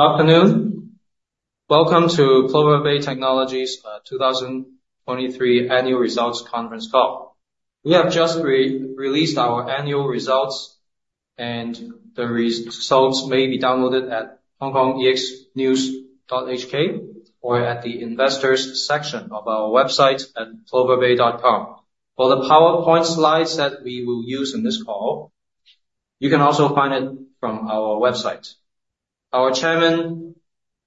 Afternoon. Welcome to Plover Bay Technologies' 2023 Annual Results Conference Call. We have just re-released our annual results, and the results may be downloaded at hkexnews.hk or at the Investors section of our website at ploverbay.com. For the PowerPoint slides that we will use in this call, you can also find it from our website. Our Chairman,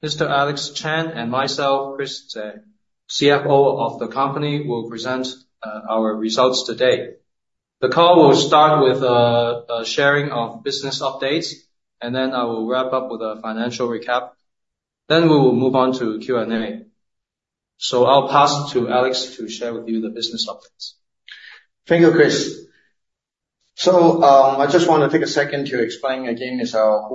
Mr. Alex Chan, and myself, Chris Tse, CFO of the company, will present our results today. The call will start with a sharing of business updates, and then I will wrap up with a financial recap. Then we will move on to Q&A. So I'll pass to Alex to share with you the business updates. Thank you, Chris. So, I just want to take a second to explain again, and so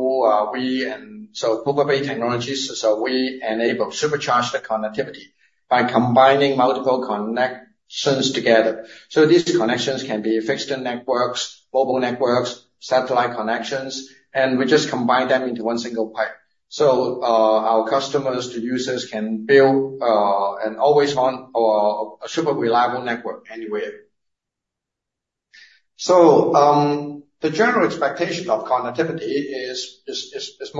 Plover Bay Technologies, so we enable supercharged connectivity by combining multiple connections together. So these connections can be fixed-line networks, mobile networks, satellite connections, and we just combine them into one single pipe. So, our customers, the users, can build an always-on or a super reliable network anywhere. So, the general expectation of connectivity is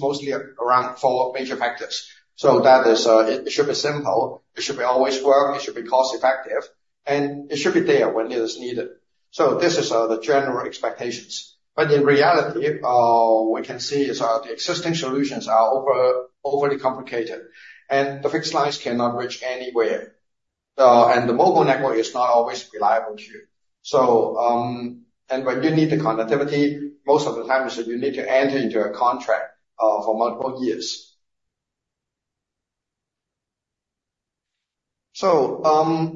mostly around four major factors. So that is, it should be simple. It should always work. It should be cost-effective. And it should be there when it is needed. So this is the general expectations. But in reality, we can see the existing solutions are overly complicated. And the fixed lines cannot reach anywhere, and the mobile network is not always reliable too. So, and when you need the connectivity, most of the time, is it you need to enter into a contract for multiple years. So,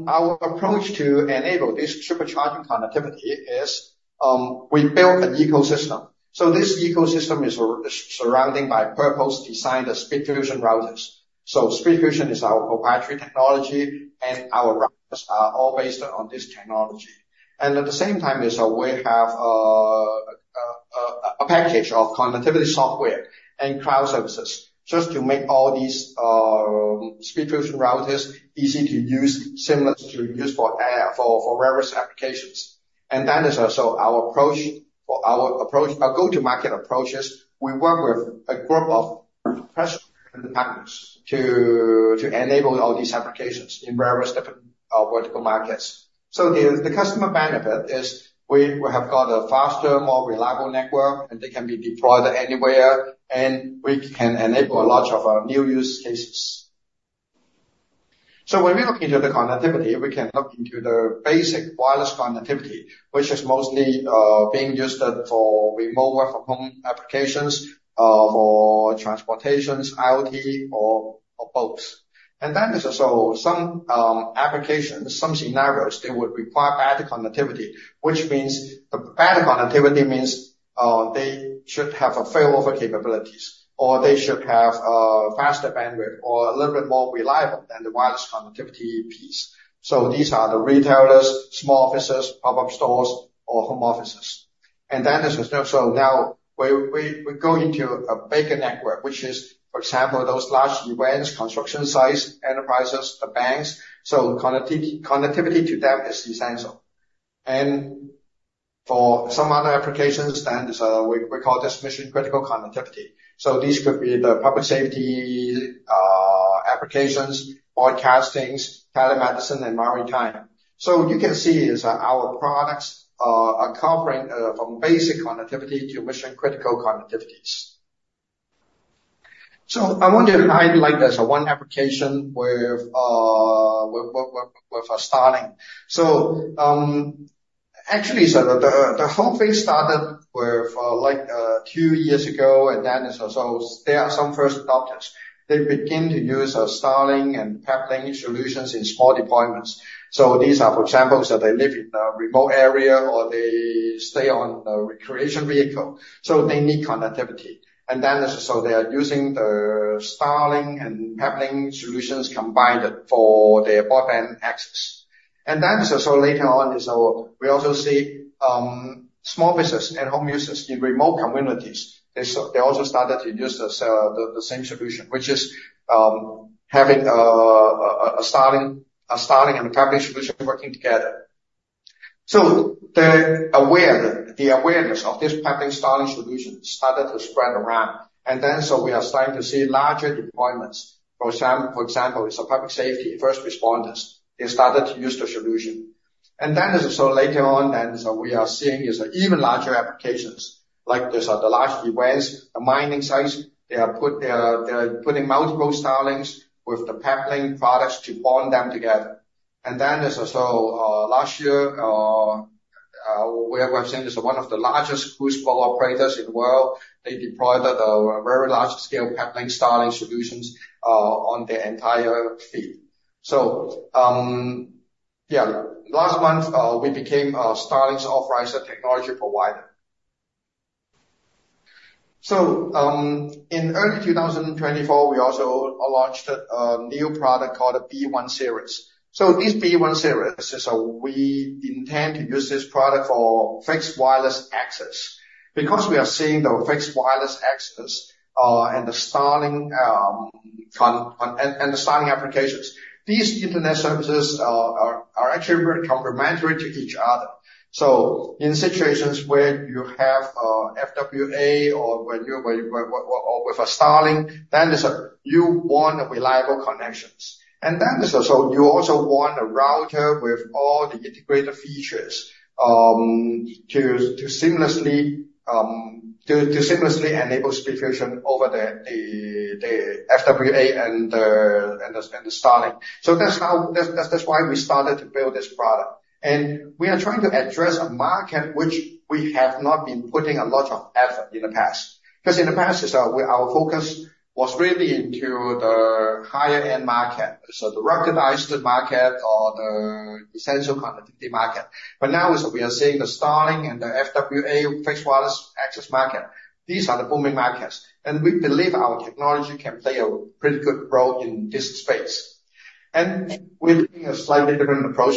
our approach to enable this supercharging connectivity is, we build an ecosystem. So this ecosystem is surrounded by purpose-designed SpeedFusion routers. So SpeedFusion is our proprietary technology, and our routers are all based on this technology. And at the same time, we have a package of connectivity software and cloud services just to make all these SpeedFusion routers easy to use, similar to use for apps for various applications. And that is, so our approach for our approach, our go-to-market approach is we work with a group of professional partners to enable all these applications in various different vertical markets. So the customer benefit is we have got a faster, more reliable network, and they can be deployed anywhere. And we can enable a lot of new use cases. So when we look into the connectivity, we can look into the basic wireless connectivity, which is mostly being used for remote work-from-home applications, for transportation, IoT, or both. So some applications, some scenarios, they would require better connectivity, which means better connectivity means they should have failover capabilities, or they should have faster bandwidth or a little bit more reliable than the wireless connectivity piece. So these are the retailers, small offices, pop-up stores, or home offices. So now we go into a bigger network, which is, for example, those large events, construction sites, enterprises, the banks. So connectivity to them is essential. For some other applications, then it's what we call mission-critical connectivity. So these could be public safety applications, broadcasting, telemedicine, and maritime. So you can see, our products are covering from basic connectivity to mission-critical connectivities. So I want to highlight one application with Starlink. So actually, the whole thing started like two years ago. And that is, there are some first adopters. They begin to use Starlink and Peplink solutions in small deployments. So these are, for example, they live in a remote area, or they stay on a recreational vehicle. So they need connectivity. And they are using the Starlink and Peplink solutions combined for their broadband access. And that is, so later on, we also see small business, at-home users in remote communities, they also started to use this, the same solution, which is having a Starlink and a Peplink solution working together. So the awareness of this Peplink Starlink solution started to spread around. And then, so we are starting to see larger deployments. For example, public safety, first responders, they started to use the solution. And that is, so later on, then, we are seeing even larger applications, like the large events, the mining sites, they are putting multiple Starlinks with the Peplink products to bond them together. And then, so last year, we have seen one of the largest cruise boat operators in the world. They deployed the very large-scale Peplink Starlink solutions on their entire fleet. So, yeah, last month, we became Starlink's authorized technology provider. So, in early 2024, we also launched a new product called the B One Series. So this B One Series is, we intend to use this product for fixed wireless access. Because we are seeing the fixed wireless access, and the Starlink connection and the Starlink applications, these internet services, are actually very complementary to each other. So in situations where you have FWA, or when you're what or with a Starlink, then is, so you also want a router with all the integrated features to seamlessly enable SpeedFusion over the FWA and the Starlink. So that's why we started to build this product. We are trying to address a market which we have not been putting a lot of effort in the past. Because in the past, our focus was really into the higher-end market, the ruggedized market or the essential connectivity market. But now we are seeing the Starlink and the FWA fixed wireless access market. These are the booming markets. We believe our technology can play a pretty good role in this space. We're taking a slightly different approach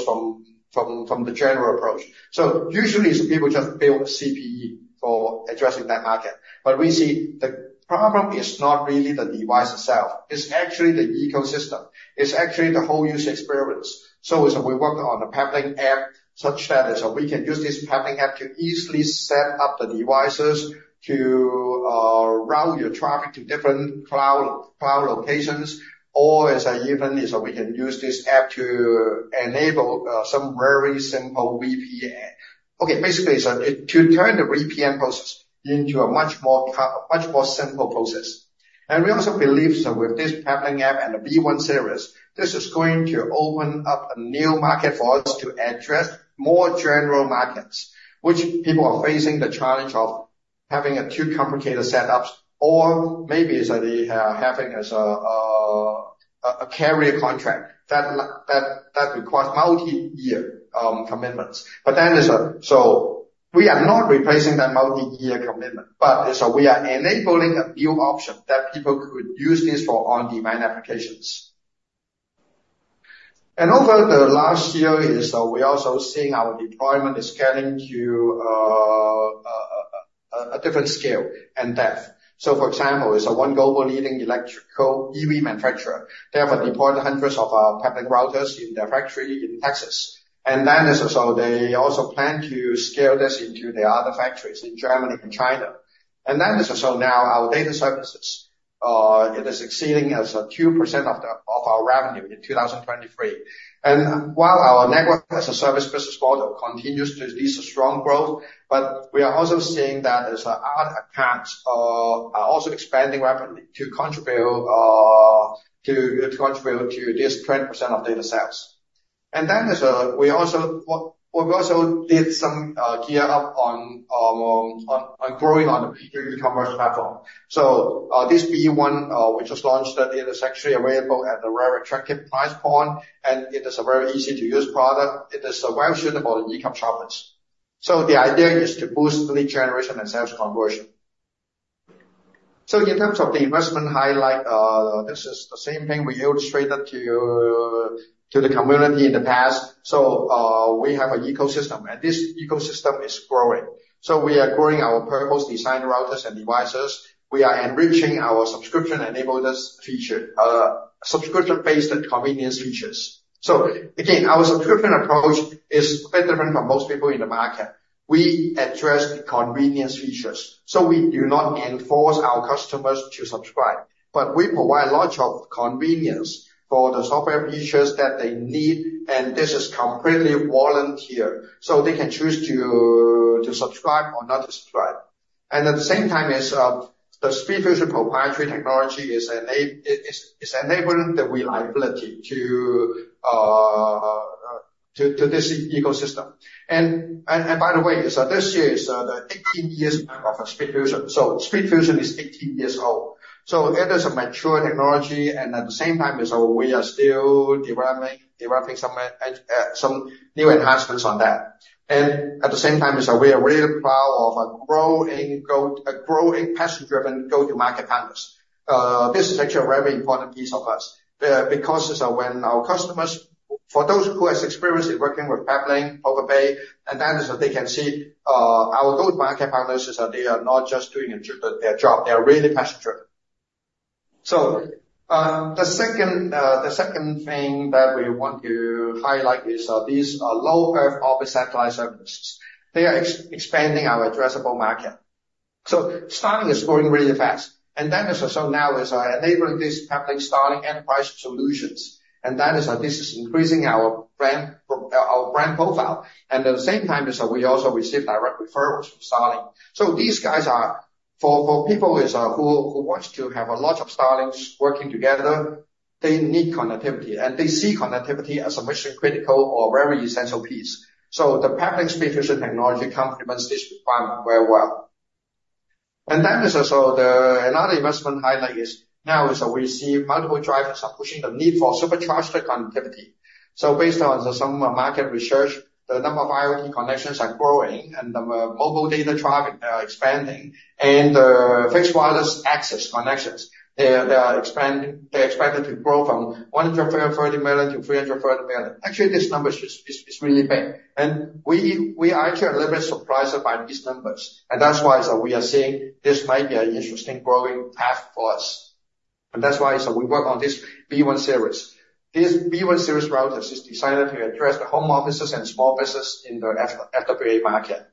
from the general approach. So usually, people just build a CPE for addressing that market. But we see the problem is not really the device itself. It's actually the ecosystem. It's actually the whole user experience. So, we worked on a Peplink App such that we can use this Peplink App to easily set up the devices to route your traffic to different cloud locations. Or even, we can use this app to enable some very simple VPN. Okay, basically, it to turn the VPN process into a much more simple process. And we also believe, with this Peplink App and the B One Series, this is going to open up a new market for us to address more general markets, which people are facing the challenge of having a too complicated setup. Or maybe they having a carrier contract that requires multi-year commitments. But then, so we are not replacing that multi-year commitment. But we are enabling a new option that people could use this for on-demand applications. And over the last year, we also seeing our deployment getting to a different scale and depth. So for example, one global leading electrical EV manufacturer. They have deployed hundreds of our Peplink routers in their factory in Texas. And then, so they also plan to scale this into their other factories in Germany and China. And then, so now our data services, it is exceeding 2% of our revenue in 2023. And while our network as a service business model continues to see some strong growth, but we are also seeing other accounts are also expanding rapidly to contribute to this 10% of data sales. And then, we also what we also did some gear up on growing on the e-commerce platform. So, this B One, we just launched, it is actually available at a very attractive price point. And it is a very easy-to-use product. It is well-suited for the e-commerce shoppers. So the idea is to boost lead generation and sales conversion. So in terms of the investment highlight, this is the same thing we illustrated to the community in the past. So, we have an ecosystem. And this ecosystem is growing. So we are growing our purpose-designed routers and devices. We are enriching our subscription-enabled feature, subscription-based convenience features. So again, our subscription approach is a bit different from most people in the market. We address the convenience features. So we do not enforce our customers to subscribe. But we provide a lot of convenience for the software features that they need. And this is completely volunteer. So they can choose to subscribe or not to subscribe. At the same time, the SpeedFusion proprietary technology is enabling the reliability to this ecosystem. And by the way, this year is the 18-year mark of SpeedFusion. So SpeedFusion is 18 years old. So it is a mature technology. At the same time, we are still developing some new enhancements on that. At the same time, we are really proud of a growing passion-driven go-to-market partners. This is actually a very important piece of us. Because when our customers for those who has experience in working with Peplink, Plover Bay, and that is, they can see, our go-to-market partners is, they are not just doing their job. They are really passion-driven. So, the second thing that we want to highlight is these Low Earth Orbit satellite services. They are expanding our addressable market. So Starlink is growing really fast. So now enabling these Peplink Starlink enterprise solutions. And that is, this is increasing our brand profile. And at the same time, we also receive direct referrals from Starlink. So these guys are for people who wants to have a lot of Starlinks working together. They need connectivity. And they see connectivity as a mission-critical or very essential piece. So the Peplink SpeedFusion technology complements this requirement very well. So the another investment highlight is, we see multiple drivers are pushing the need for supercharged connectivity. So based on some market research, the number of IoT connections are growing. The mobile data traffic expanding. The fixed wireless access connections, they're expanding. They're expected to grow from 130 million to 330 million. Actually, this number is just really big. We are actually a little bit surprised by these numbers. That's why we are seeing this might be an interesting growing path for us. That's why we work on this B One Series. This B One Series routers is designed to address the home offices and small business in the FWA market.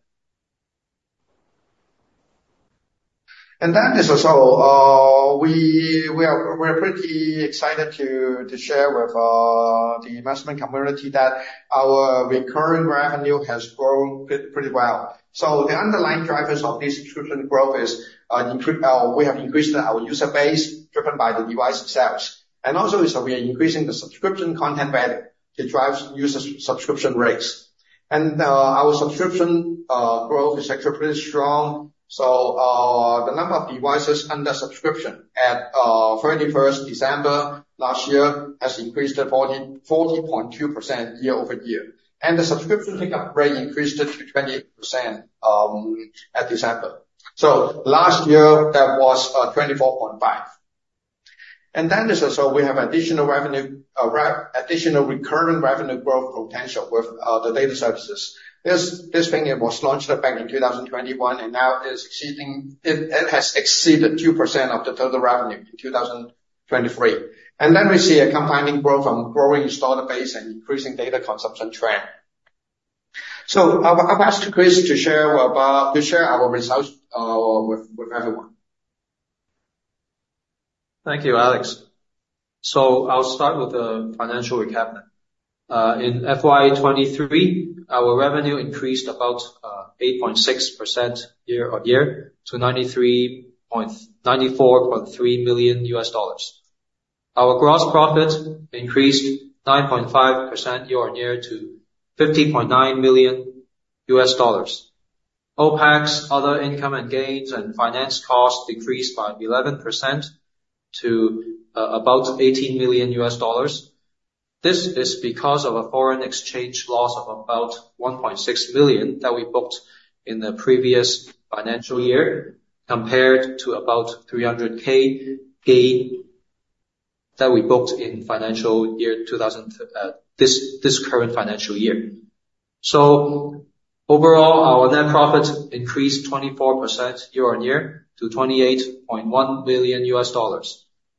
Then, so we are pretty excited to share with the investment community that our recurring revenue has grown pretty well. So the underlying drivers of this subscription growth is we have increased our user base driven by the device itself. We are increasing the subscription content value to drive user subscription rates. And our subscription growth is actually pretty strong. So the number of devices under subscription at 31st December last year has increased to 40.2% year-over-year. And the subscription pickup rate increased to 28% at December. Last year that was 24.5%. And then we have additional revenue, additional recurring revenue growth potential with the data services. This thing it was launched back in 2021. And now it has exceeded 2% of the total revenue in 2023. And then we see a compounding growth from growing installer base and increasing data consumption trend. So I've asked Chris to share our results with everyone. Thank you, Alex. So I'll start with the financial recap now. In FY 2023, our revenue increased about 8.6% year-over-year to $93.943 million. Our gross profit increased 9.5% year-over-year to $50.9 million. OPEX, other income and gains, and finance costs decreased by 11% to about $18 million. This is because of a foreign exchange loss of about $1.6 million that we booked in the previous financial year compared to about $300,000 gain that we booked in financial year 2023, this current financial year. So overall, our net profit increased 24% year-over-year to $28.1 million.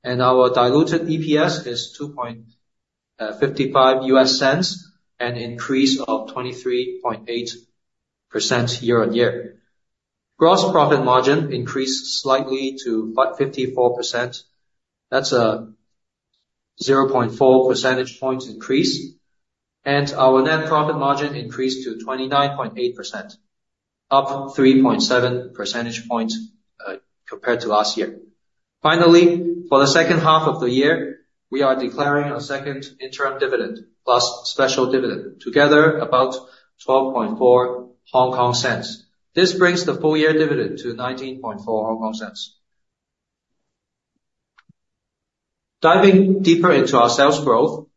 And our diluted EPS is $0.0255, an increase of 23.8% year-over-year. Gross profit margin increased slightly to 54%. That's 0.4 percentage points increase. And our net profit margin increased to 29.8%, up 3.7 percentage points, compared to last year. Finally, for the second half of the year, we are declaring a second interim dividend plus special dividend together about 0.124. This brings the full-year dividend to 0.194. Diving deeper into our sales growth,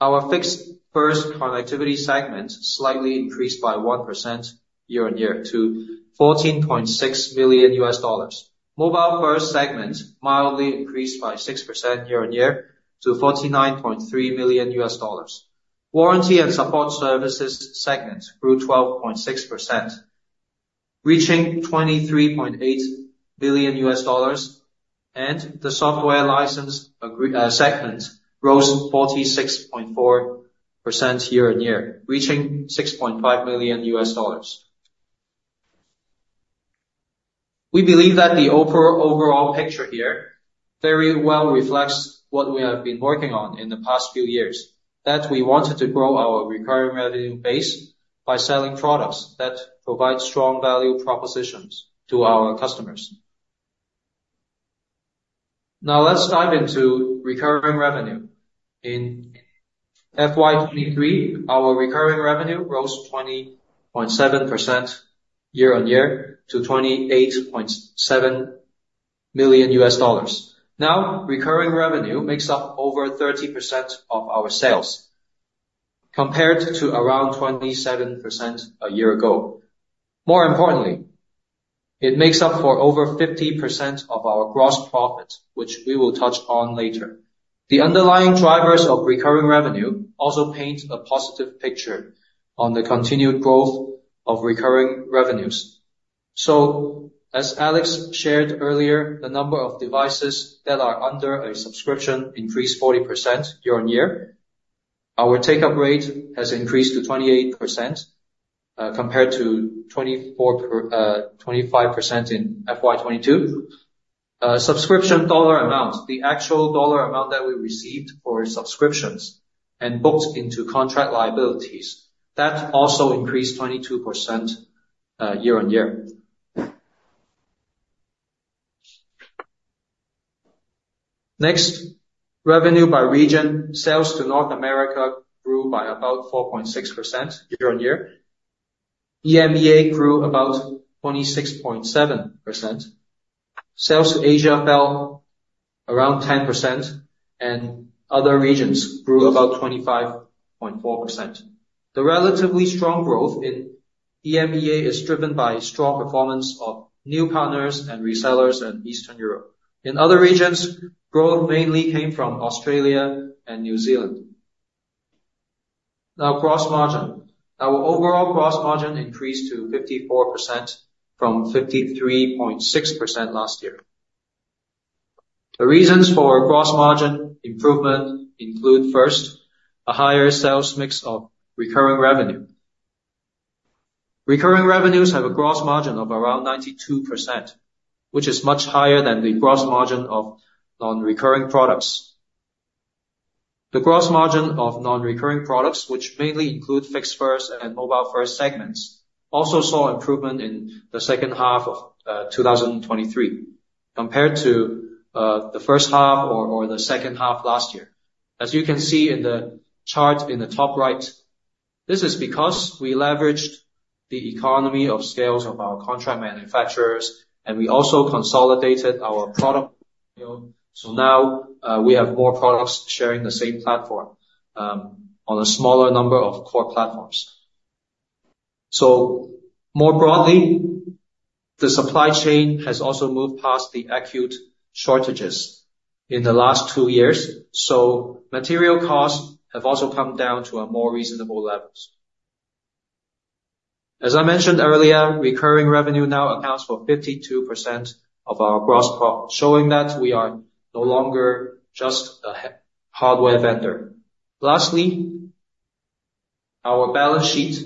our Fixed-first connectivity segment slightly increased by 1% year-on-year to $14.6 million. Mobile-first segment mildly increased by 6% year-on-year to $49.3 million. Warranty and support services segment grew 12.6%, reaching $23.8 billion. And the software license agreement segment rose 46.4% year-on-year, reaching $6.5 million. We believe that the overall picture here very well reflects what we have been working on in the past few years, that we wanted to grow our recurring revenue base by selling products that provide strong value propositions to our customers. Now let's dive into recurring revenue. In FY 2023, our recurring revenue rose 20.7% year-on-year to $28.7 million. Now recurring revenue makes up over 30% of our sales compared to around 27% a year ago. More importantly, it makes up for over 50% of our gross profit, which we will touch on later. The underlying drivers of recurring revenue also paint a positive picture on the continued growth of recurring revenues. So as Alex shared earlier, the number of devices that are under a subscription increased 40% year-on-year. Our takeup rate has increased to 28%, compared to 24%-25% in FY 2022. Subscription dollar amount, the actual dollar amount that we received for subscriptions and booked into contract liabilities, that also increased 22%, year-on-year. Next, revenue by region, sales to North America grew by about 4.6% year-on-year. EMEA grew about 26.7%. Sales to Asia fell around 10%. Other regions grew about 25.4%. The relatively strong growth in EMEA is driven by strong performance of new partners and resellers in Eastern Europe. In other regions, growth mainly came from Australia and New Zealand. Now gross margin. Our overall gross margin increased to 54% from 53.6% last year. The reasons for gross margin improvement include, first, a higher sales mix of recurring revenue. Recurring revenues have a gross margin of around 92%, which is much higher than the gross margin of non-recurring products. The gross margin of non-recurring products, which mainly include fixed-first and mobile-first segments, also saw improvement in the 2nd half of 2023 compared to the 1st half or the 2nd half last year. As you can see in the chart in the top right, this is because we leveraged the economies of scale of our contract manufacturers. We also consolidated our product portfolio. So now, we have more products sharing the same platform, on a smaller number of core platforms. So more broadly, the supply chain has also moved past the acute shortages in the last two years. So material costs have also come down to a more reasonable level. As I mentioned earlier, recurring revenue now accounts for 52% of our gross profit showing that we are no longer just a hardware vendor. Lastly, our balance sheet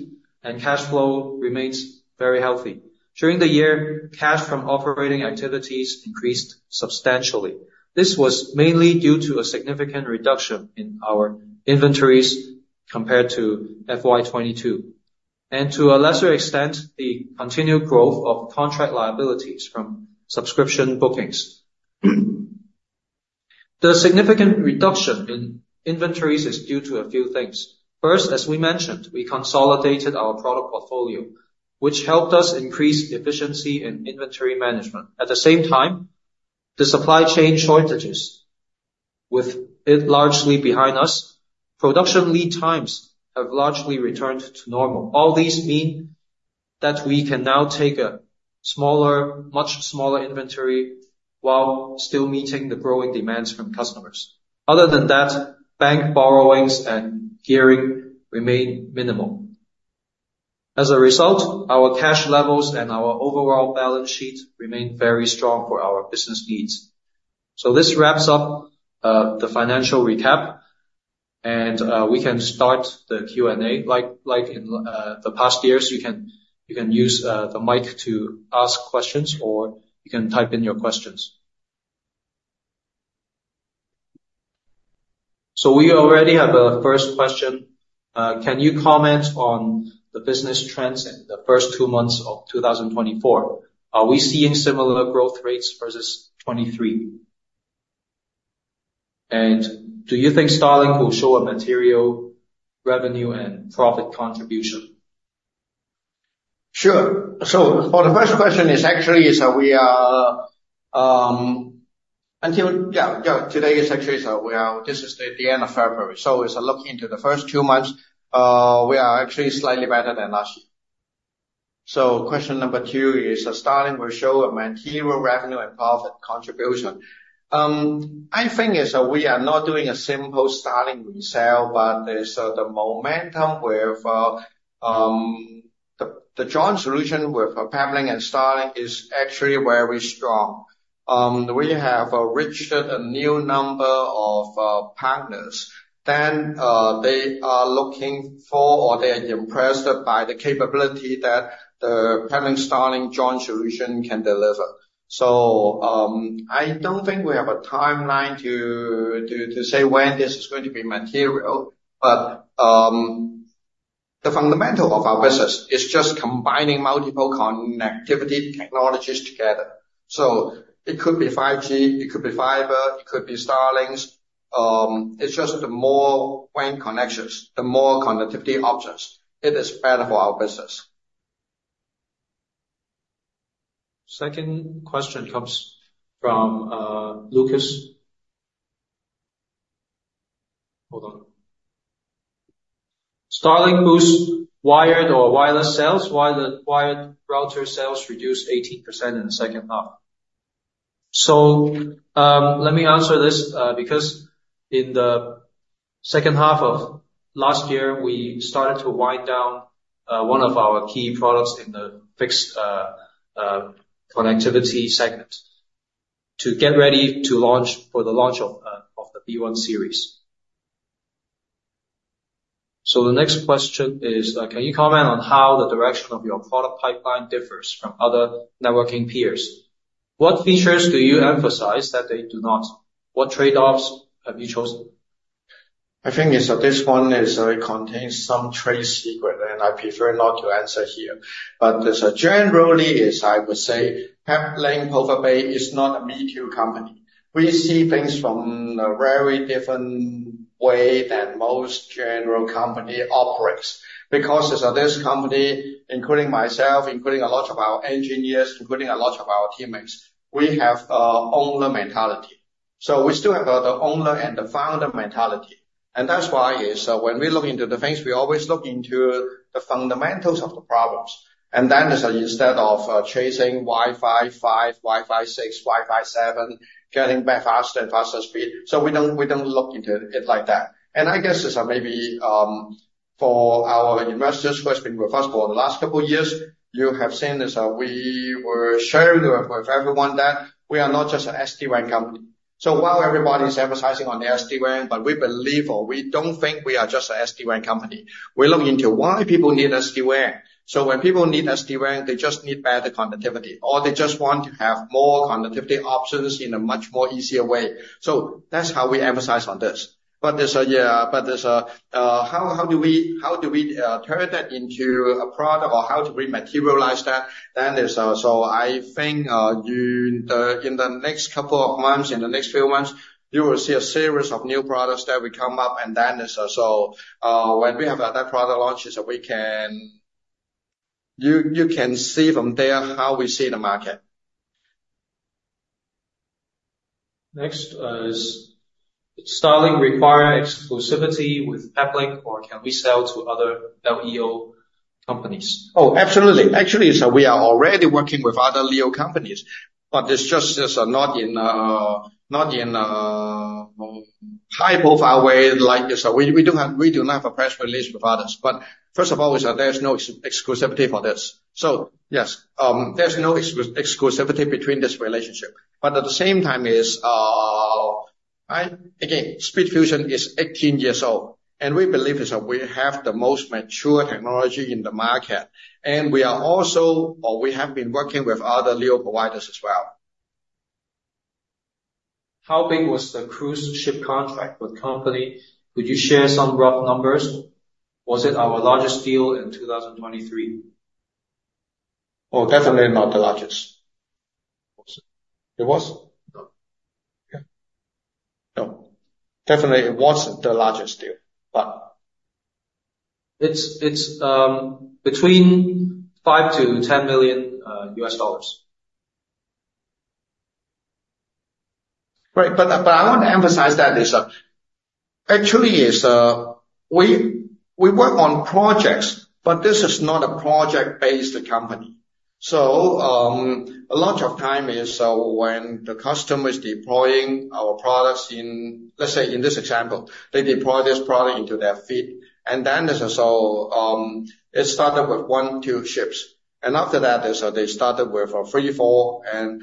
and cash flow remains very healthy. During the year, cash from operating activities increased substantially. This was mainly due to a significant reduction in our inventories compared to FY 2022. To a lesser extent, the continued growth of contract liabilities from subscription bookings. The significant reduction in inventories is due to a few things. First, as we mentioned, we consolidated our product portfolio, which helped us increase efficiency in inventory management. At the same time, the supply chain shortages with it largely behind us, production lead times have largely returned to normal. All these mean that we can now take a smaller much smaller inventory while still meeting the growing demands from customers. Other than that, bank borrowings and gearing remain minimal. As a result, our cash levels and our overall balance sheet remain very strong for our business needs. This wraps up the financial recap. We can start the Q&A. Like in the past years, you can use the mic to ask questions. Or you can type in your questions. We already have a first question. Can you comment on the business trends in the first two months of 2024? Are we seeing similar growth rates versus 2023? And do you think Starlink will show a material revenue and profit contribution? Sure. So for the first question, actually, today is the end of February. So, looking into the first two months, we are actually slightly better than last year. So question number two is, Starlink will show a material revenue and profit contribution? I think, we are not doing a simple Starlink resale. But there's the momentum with the joint solution with Peplink and Starlink is actually very strong. We have reached a new number of partners than they are looking for or they are impressed by the capability that the Peplink Starlink joint solution can deliver. So, I don't think we have a timeline to say when this is going to be material. But the fundamental of our business is just combining multiple connectivity technologies together. So it could be 5G. It could be fiber. It could be Starlink's. It's just the more WAN connections, the more connectivity options. It is better for our business. Second question comes from Lucas. Hold on. Starlink boosts wired or wireless sales. Why the wired router sales reduced 18% in the 2nd half? So, let me answer this, because in the 2nd half of last year, we started to wind down one of our key products in the fixed connectivity segment to get ready to launch for the launch of the B One Series. So the next question is, can you comment on how the direction of your product pipeline differs from other networking peers? What features do you emphasize that they do not? What trade-offs have you chosen? I think this one is, it contains some trade secret. And I prefer not to answer here. But generally, I would say, Peplink Plover Bay is not a mid-tier company. We see things from a very different way than most general company operates. Because this company, including myself, including a lot of our engineers, including a lot of our teammates, we have a owner mentality. So we still have, the owner and the founder mentality. And that's why, when we look into the things, we always look into the fundamentals of the problems. And then, instead of chasing Wi-Fi 5, Wi-Fi 6, Wi-Fi 7, getting back faster and faster speed, so we don't look into it like that. I guess, maybe, for our investors who has been with us for the last couple of years, you have seen, we were sharing with everyone that we are not just an SD-WAN company. While everybody is emphasizing on the SD-WAN, but we believe or we don't think we are just an SD-WAN company. We look into why people need SD-WAN. So when people need SD-WAN, they just need better connectivity. Or they just want to have more connectivity options in a much more easier way. So that's how we emphasize on this. But how do we turn that into a product or how to rematerialize that? So I think in the next couple of months, in the next few months, you will see a series of new products that will come up. Then, so when we have that product launch, you can see from there how we see the market. Next, is Starlink require exclusivity with Peplink? Or can we sell to other LEO companies? Oh, absolutely. Actually, we are already working with other LEO companies. But it's just not in high-profile way like, we do not have a press release with others. But first of all, there's no exclusivity for this. So yes, there's no exclusivity between this relationship. But at the same time, again, SpeedFusion is 18 years old. And we believe we have the most mature technology in the market. And we are also or we have been working with other LEO providers as well. How big was the cruise ship contract with company? Could you share some rough numbers? Was it our largest deal in 2023? Oh, definitely not the largest. Was it? It was? No. Yeah. No. Definitely, it wasn't the largest deal. But. It's between $5 million-$10 million. Right. But I want to emphasize that actually is, we work on projects. But this is not a project-based company. So, a lot of time is, when the customer is deploying our products in, let's say, in this example, they deploy this product into their fleet. And then, so, it started with one, two ships. And after that, they started with three, four. And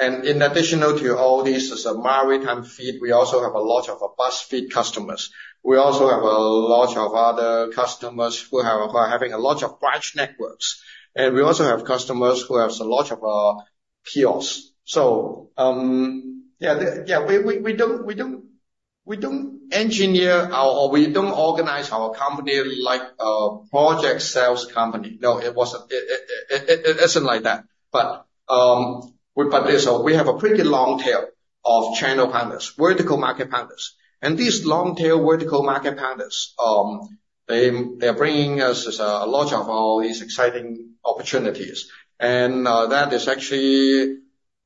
in addition to all these is, maritime fleet, we also have a lot of bus fleet customers. We also have a lot of other customers who have who are having a lot of branch networks. And we also have customers who have a lot of kiosks. So, yeah. Yeah. We don't engineer our or we don't organize our company like project sales company. No it isn't like that. But we have a pretty long tail of channel partners, vertical market partners. And these long-tail vertical market partners, they are bringing us a lot of all these exciting opportunities. And that is actually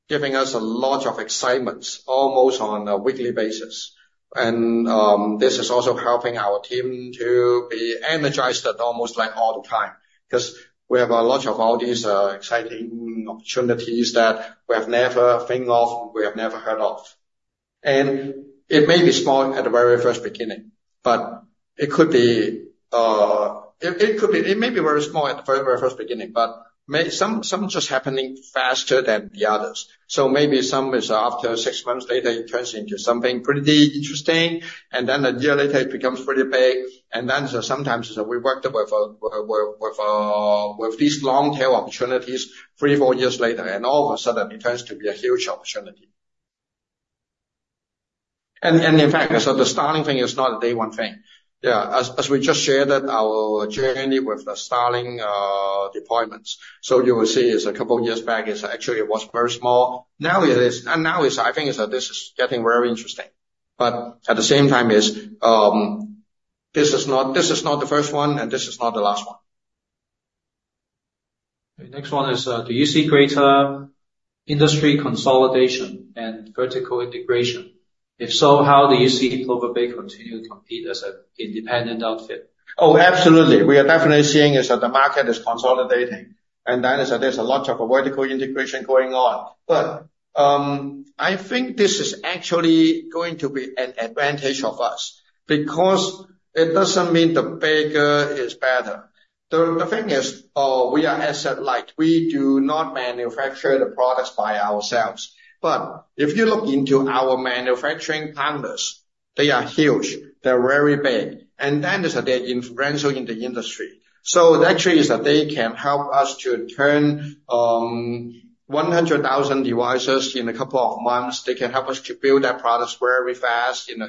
giving us a lot of excitement almost on a weekly basis. And this is also helping our team to be energized almost like all the time. Because we have a lot of all these exciting opportunities that we have never thought of. We have never heard of. And it may be small at the very first beginning. But it could be it may be very small at the very, very first beginning. But some just happening faster than the others. So maybe some, after six months later, it turns into something pretty interesting. And then a year later, it becomes pretty big. And then, sometimes, we worked with these long-tail opportunities three, four years later. And all of a sudden, it turns to be a huge opportunity. And in fact, the Starlink thing is not a day-one thing. Yeah. As we just shared it, our journey with the Starlink deployments. So you will see, a couple of years back, actually it was very small. Now it is, I think this is getting very interesting. But at the same time, this is not the first one. And this is not the last one. Okay. Next one is, do you see greater industry consolidation and vertical integration? If so, how do you see Plover Bay continue to compete as an independent outfit? Oh, absolutely. We are definitely seeing the market is consolidating. And then, there's a lot of vertical integration going on. But, I think this is actually going to be an advantage of us. Because it doesn't mean the bigger is better. The thing is, we are asset-light. We do not manufacture the products by ourselves. But if you look into our manufacturing partners, they are huge. They are very big. And then, they're influential in the industry. So actually, they can help us to turn 100,000 devices in a couple of months. They can help us to build that product very fast in a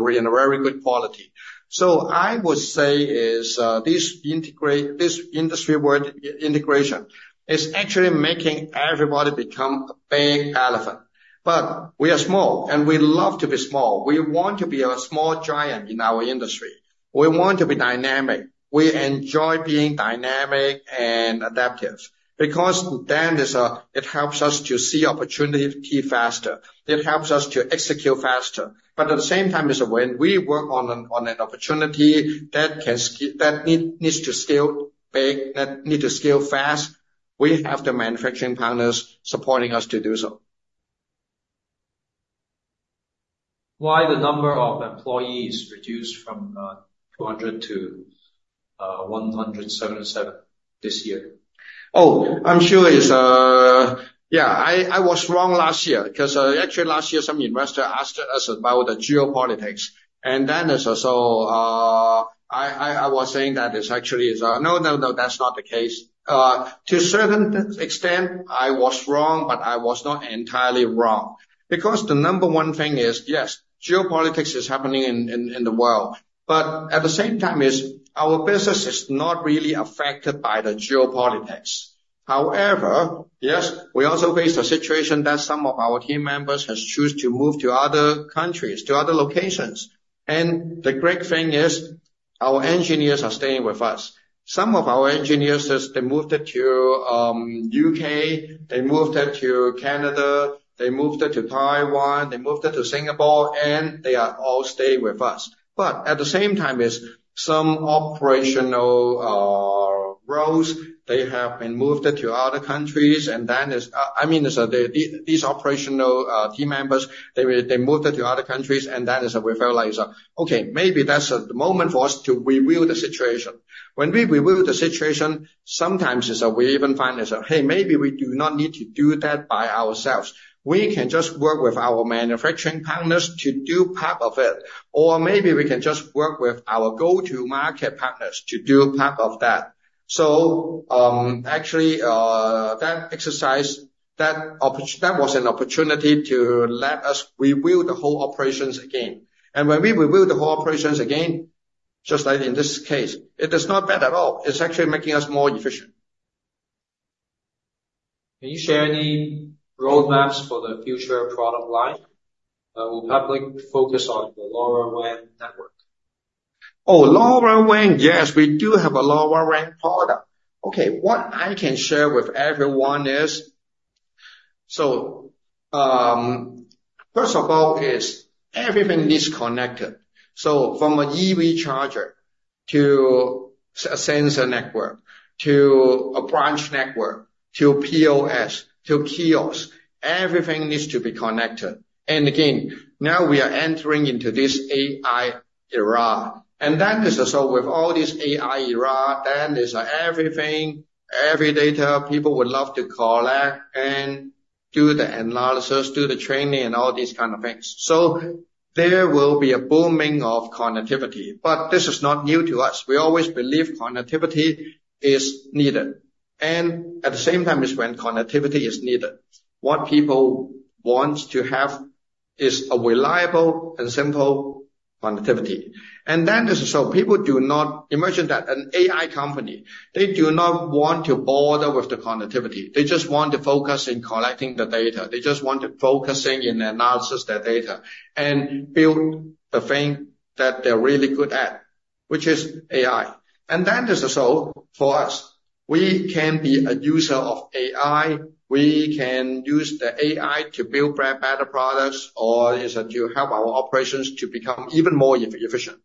very good quality. So I would say, this industry-wide integration is actually making everybody become a big elephant. But we are small. And we love to be small. We want to be a small giant in our industry. We want to be dynamic. We enjoy being dynamic and adaptive. Because it helps us to see opportunity faster. It helps us to execute faster. But at the same time, when we work on an opportunity that can scale that needs to scale big, that needs to scale fast, we have the manufacturing partners supporting us to do so. Why the number of employees reduced from 200 to 177 this year? Oh, I'm sure it is, yeah. I was wrong last year. Because actually last year, some investor asked us about the geopolitics. And then, so, I was saying that actually, no, no, no. That's not the case. To a certain extent, I was wrong. But I was not entirely wrong. Because the number one thing is, yes, geopolitics is happening in the world. But at the same time, our business is not really affected by the geopolitics. However, yes, we also face a situation that some of our team members have chosen to move to other countries, to other locations. And the great thing is, our engineers are staying with us. Some of our engineers, they moved to U.K. They moved to Canada. They moved to Taiwan. They moved to Singapore. They are all staying with us. But at the same time, some operational roles have been moved to other countries. Then, I mean, these operational team members, they moved it to other countries. Then, we felt like, okay. Maybe that's the moment for us to reweigh the situation. When we reweigh the situation, sometimes, we even find, hey, maybe we do not need to do that by ourselves. We can just work with our manufacturing partners to do part of it. Or maybe we can just work with our go-to-market partners to do part of that. So, actually, that exercise, that was an opportunity to let us reweigh the whole operations again. And when we reweigh the whole operations again, just like in this case, it is not bad at all. It's actually making us more efficient. Can you share any roadmaps for the future product line? Will Peplink focus on the LoRaWAN network? Oh, LoRaWAN, yes. We do have a LoRaWAN product. Okay. What I can share with everyone is, first of all, everything needs connected. So from an EV charger to a sensor network to a branch network to POS to kiosks, everything needs to be connected. And again, now we are entering into this AI era. And then, with all this AI era, everything, every data, people would love to collect and do the analysis, do the training, and all these kind of things. So there will be a booming of connectivity. But this is not new to us. We always believe connectivity is needed. And at the same time, when connectivity is needed, what people want to have is a reliable and simple connectivity. So, people do not imagine that an AI company, they do not want to bother with the connectivity. They just want to focus on collecting the data. They just want to focus on analyzing their data and build the thing that they're really good at, which is AI. So, for us, we can be a user of AI. We can use the AI to build better products or to help our operations to become even more efficient.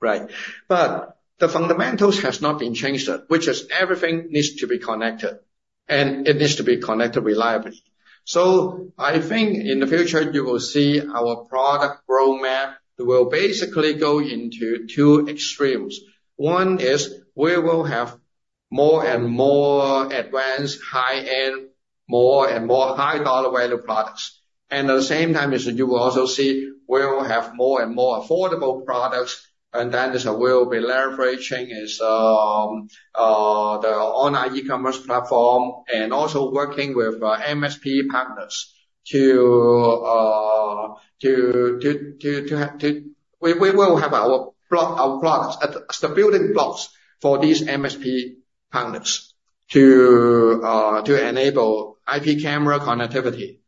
Right? But the fundamentals has not been changed, which is everything needs to be connected. And it needs to be connected reliably. So, I think in the future, you will see our product roadmap will basically go into two extremes. One is we will have more and more advanced, high-end, more and more high-dollar value products. At the same time, you will also see we will have more and more affordable products. We will be leveraging the online e-commerce platform and also working with MSP partners to have our products as the building blocks for these MSP partners to enable IP camera connectivity,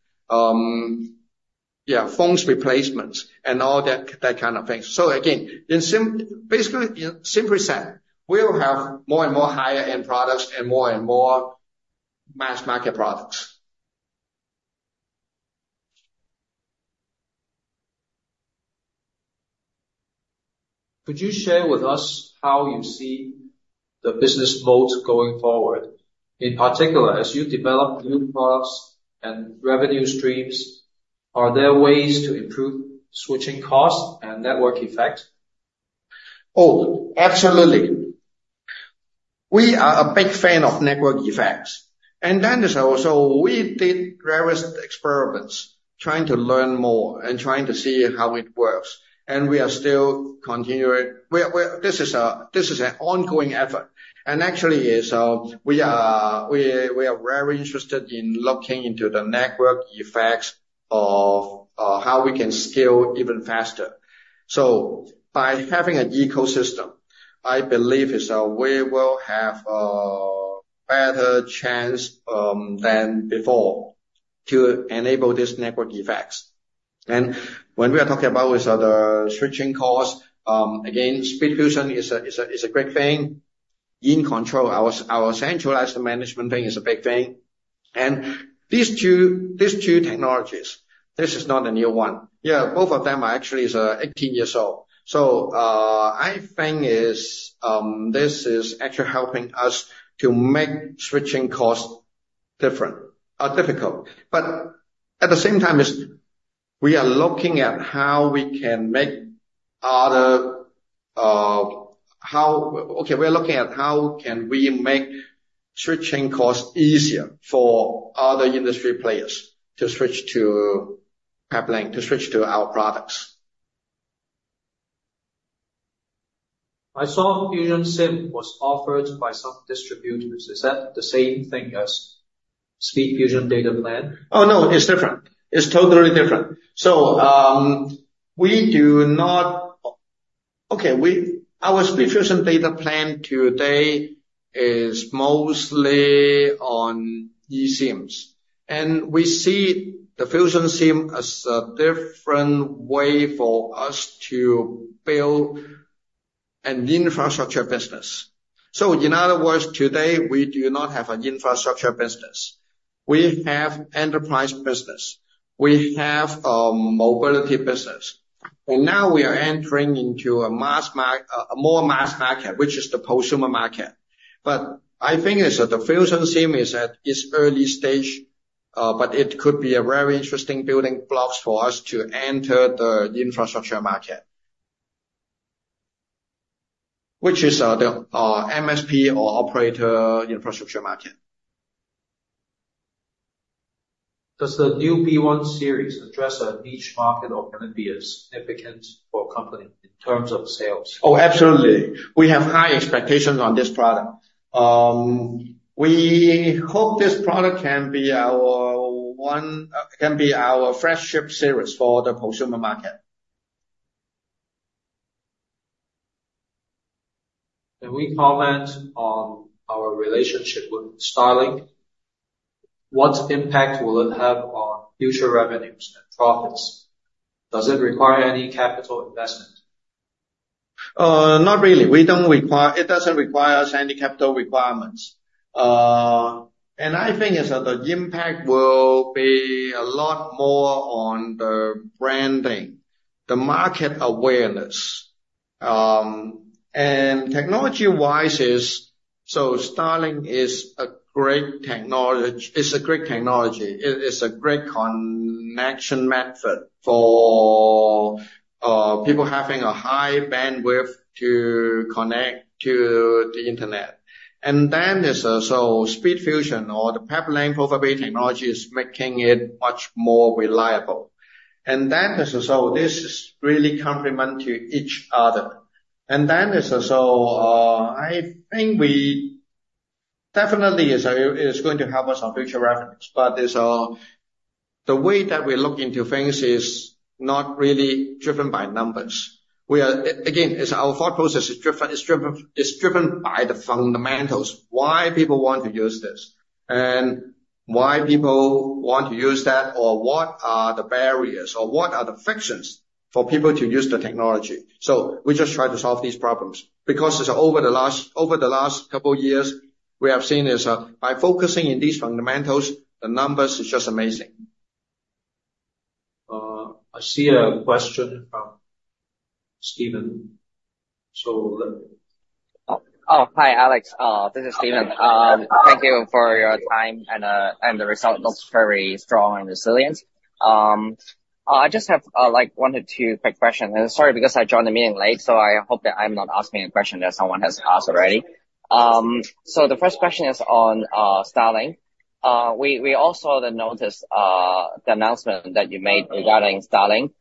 yeah, phones replacements, and all that kind of things. So again, in sum basically, simply said, we will have more and more higher-end products and more and more mass market products. Could you share with us how you see the business modes going forward? In particular, as you develop new products and revenue streams, are there ways to improve switching costs and network effect? Oh, absolutely. We are a big fan of network effects. And then, so we did various experiments trying to learn more and trying to see how it works. And we are still continuing. This is an ongoing effort. And actually, we are very interested in looking into the network effects of how we can scale even faster. So by having an ecosystem, I believe we will have better chance than before to enable these network effects. And when we are talking about the switching costs, again, SpeedFusion is a great thing. InControl, our centralized management thing, is a big thing. And these two technologies, this is not a new one. Yeah. Both of them are actually 18 years old. So, I think this is actually helping us to make switching costs different, difficult. But at the same time, we are looking at how we can make switching costs easier for other industry players to switch to Peplink, to switch to our products. I saw FusionSIM was offered by some distributors. Is that the same thing as SpeedFusion data plan? Oh, no. It's different. It's totally different. So, we do not—okay. Our SpeedFusion data plan today is mostly on eSIMs. And we see the FusionSIM as a different way for us to build an infrastructure business. So in other words, today, we do not have an infrastructure business. We have mobility business. And now we are entering into a more mass market, which is the consumer market. But I think the FusionSIM is at its early stage, but it could be a very interesting building blocks for us to enter the infrastructure market, which is the MSP or operator infrastructure market. Does the new B One Series address a niche market or can it be significant for a company in terms of sales? Oh, absolutely. We have high expectations on this product. We hope this product can be our flagship series for the consumer market. Can we comment on our relationship with Starlink? What impact will it have on future revenues and profits? Does it require any capital investment? Not really. We don't require it. It doesn't require us any capital requirements. And I think the impact will be a lot more on the branding, the market awareness. And technology-wise, so Starlink is a great technology. It is a great connection method for people having a high bandwidth to connect to the internet. And then, so SpeedFusion or the Peplink Plover Bay Technologies is making it much more reliable. And then so this really complimented each other. And then, so, I think we definitely, it is going to help us on future revenues. But, the way that we look into things is not really driven by numbers. We are again, our thought process is driven by the fundamentals, why people want to use this, and why people want to use that, or what are the barriers, or what are the frictions for people to use the technology. So we just try to solve these problems. Because, over the last couple of years, we have seen, by focusing in these fundamentals, the numbers is just amazing. I see a question from Stephen. So let me. Oh, hi, Alex. This is Stephen. Thank you for your time. The result looks very strong and resilient. I just have, like, one or two quick questions. Sorry because I joined the meeting late. I hope that I'm not asking a question that someone has asked already. The first question is on Starlink. We also then noticed the announcement that you made regarding Starlink.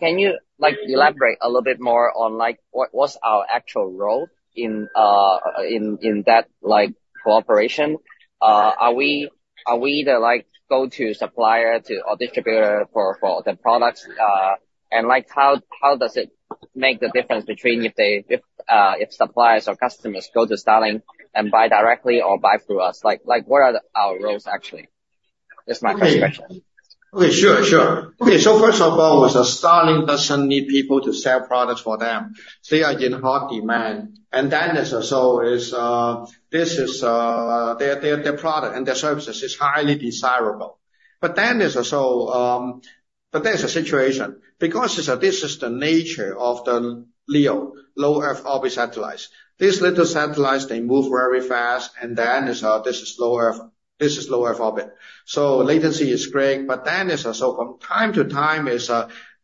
Can you, like, elaborate a little bit more on, like, what's our actual role in that, like, cooperation? Are we the, like, go-to supplier to or distributor for the products? And, like, how does it make the difference between if suppliers or customers go to Starlink and buy directly or buy through us? Like, what are our roles, actually? That's my first question. Okay. Sure, sure. Okay. So first of all, Starlink doesn't need people to sell products for them. They are in hot demand. And then, so this is their product and their services is highly desirable. But then, so but there's a situation. Because this is the nature of the LEO, Low Earth Orbit satellites. These little satellites, they move very fast. And then, this is Low Earth Orbit. So latency is great. But then, so from time to time,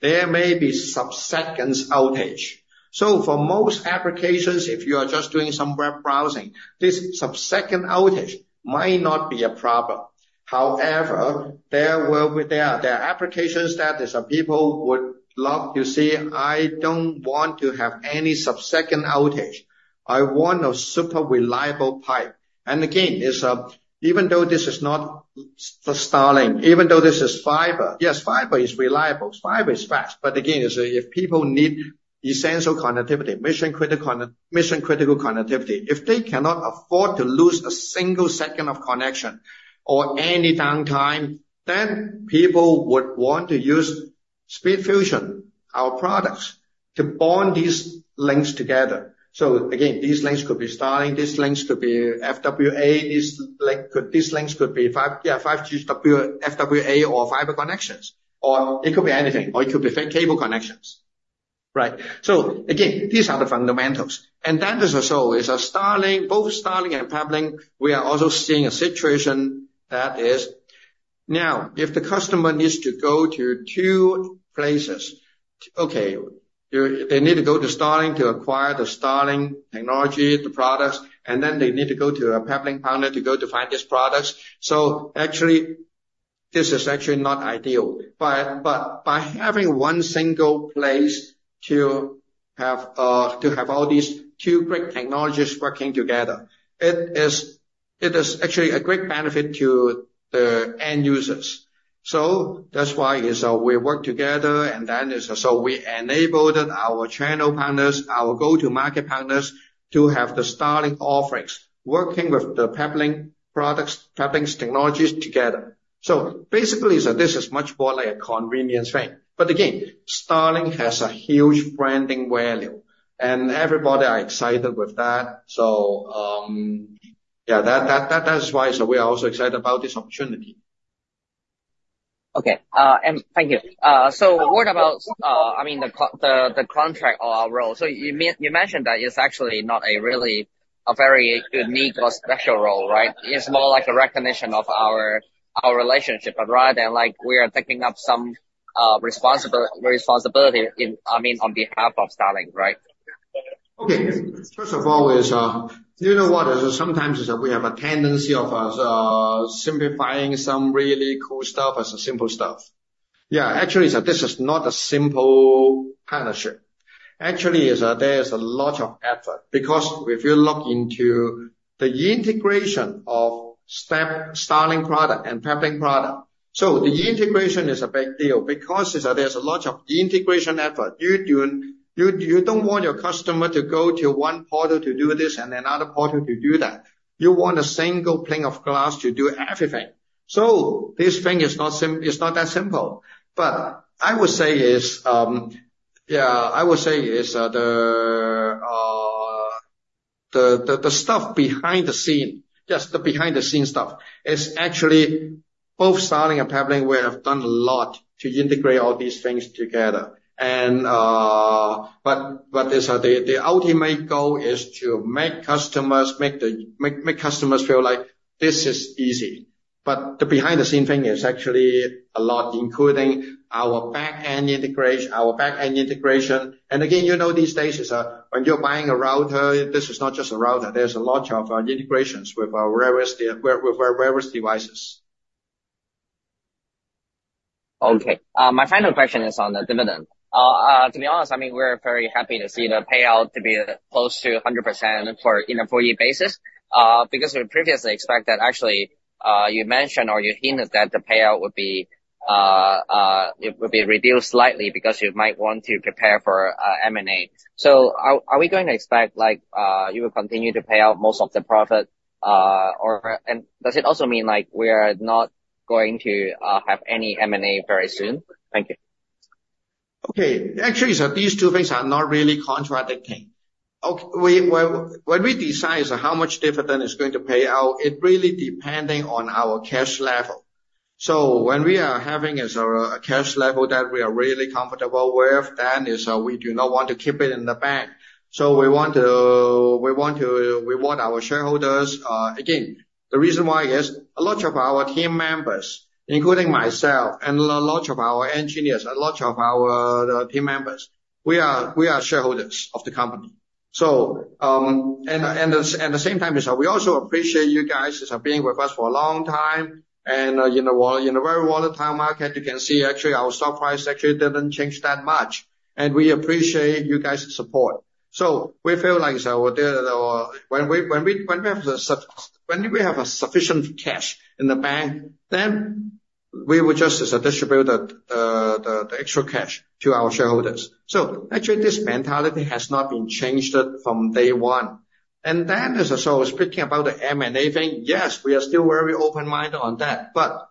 there may be sub-second outage. So for most applications, if you are just doing some web browsing, this subsecond outage might not be a problem. However, there are applications that people would love to see, "I don't want to have any sub-second outage. I want a super reliable pipe." And again, even though this is not Starlink, even though this is fiber, yes, fiber is reliable. Fiber is fast. But again, if people need essential connectivity, mission-critical connectivity, if they cannot afford to lose a single second of connection or any downtime, then people would want to use SpeedFusion, our products, to bond these links together. So again, these links could be Starlink. These links could be FWA. These links could be 5G, yeah, 5G FWA or fiber connections. Or it could be anything. Or it could be fiber cable connections. Right? So again, these are the fundamentals. So is Starlink. Both Starlink and Peplink, we are also seeing a situation now. If the customer needs to go to two places, okay, they need to go to Starlink to acquire the Starlink technology, the products. And then they need to go to a Peplink partner to find these products. So actually, this is actually not ideal. But by having one single place to have all these two great technologies working together, it is actually a great benefit to the end users. So that's why we work together. And then we enabled our channel partners, our go-to-market partners to have the Starlink offerings working with the Peplink products, Peplink's technologies together. So basically, this is much more like a convenience thing. But again, Starlink has a huge branding value. Everybody are excited with that. So, yeah, that is why we are also excited about this opportunity. Okay. And thank you. So what about, I mean, the contract or our role? So you meant you mentioned that it's actually not really a very unique or special role. Right? It's more like a recognition of our relationship. But rather than, like, we are taking up some responsibility, I mean, on behalf of Starlink. Right? Okay. First of all, you know, sometimes we have a tendency of us simplifying some really cool stuff as simple stuff. Yeah. Actually, this is not a simple partnership. Actually, there is a lot of effort. Because if you look into the integration of the Starlink product and Peplink product, so the integration is a big deal. Because there is a lot of integration effort. You don't want your customer to go to one portal to do this and another portal to do that. You want a single pane of glass to do everything. So this thing is not simple. It's not that simple. But I would say, yeah, the stuff behind the scenes—yes, the behind-the-scenes stuff—is actually both Starlink and Peplink. We have done a lot to integrate all these things together. But the ultimate goal is to make customers feel like, "This is easy." But the behind-the-scenes thing is actually a lot, including our back-end integration. And again, you know, these days, when you're buying a router, this is not just a router. There's a lot of integrations with the various devices. Okay. My final question is on the dividend. To be honest, I mean, we're very happy to see the payout to be close to 100% for in a four-year basis. Because we previously expected actually, you mentioned or you hinted that the payout would be, it would be reduced slightly because you might want to prepare for, M&A. So are, are we going to expect, like, you will continue to pay out most of the profit, or and does it also mean, like, we are not going to, have any M&A very soon? Thank you. Okay. Actually, these two things are not really contradicting thing. Okay. We when we decide how much dividend is going to pay out, it really depending on our cash level. So when we are having a cash level that we are really comfortable with, then we do not want to keep it in the bank. So we want to reward our shareholders. Again, the reason why is, a lot of our team members, including myself and a lot of our engineers, a lot of our team members, we are shareholders of the company. So and at the same time, we also appreciate you guys being with us for a long time. And, you know, while in a very volatile market, you can see, actually, our stock price actually didn't change that much. And we appreciate you guys' support. So we feel like, we'll do it when we have sufficient cash in the bank, then we will just distribute the extra cash to our shareholders. So actually, this mentality has not been changed from day one. So speaking about the M&A thing, yes, we are still very open-minded on that. But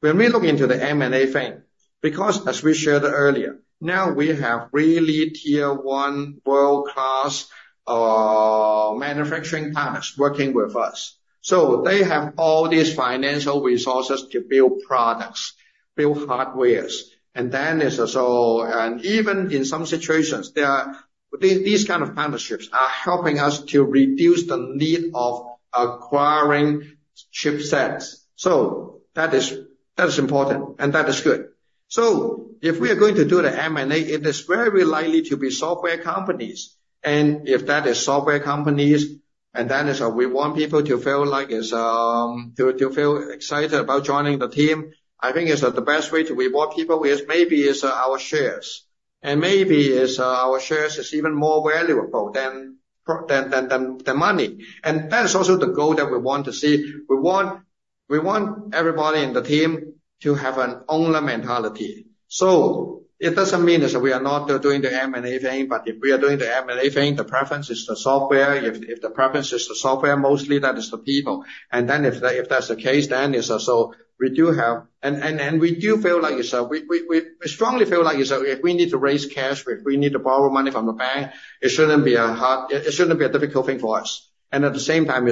when we look into the M&A thing, because as we shared earlier, now we have really tier-one, world-class manufacturing partners working with us. So they have all these financial resources to build products, build hardwares. And even in some situations, these kind of partnerships are helping us to reduce the need of acquiring chipsets. So that is important. And that is good. So if we are going to do the M&A, it is very likely to be software companies. And if that is software companies, then we want people to feel like, to feel excited about joining the team. I think the best way to reward people is maybe our shares. And maybe our shares is even more valuable than money. And that is also the goal that we want to see. We want everybody in the team to have an owner mentality. So it doesn't mean we are not doing the M&A thing. But if we are doing the M&A thing, the preference is the software. If the preference is the software, mostly that is the people. And then, if that's the case, then, so we do have, and we strongly feel like if we need to raise cash, if we need to borrow money from the bank, it shouldn't be a difficult thing for us. And at the same time,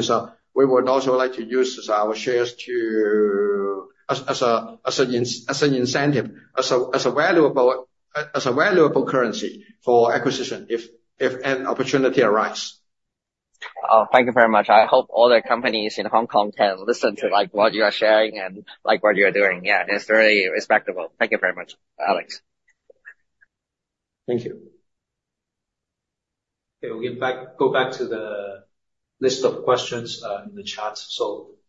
we would also like to use our shares as an incentive, as a valuable currency for acquisition if an opportunity arises. Oh, thank you very much. I hope all the companies in Hong Kong can listen to, like, what you are sharing and, like, what you are doing. Yeah. It's really respectable. Thank you very much, Alex. Thank you. Okay. We'll get back to the list of questions in the chat.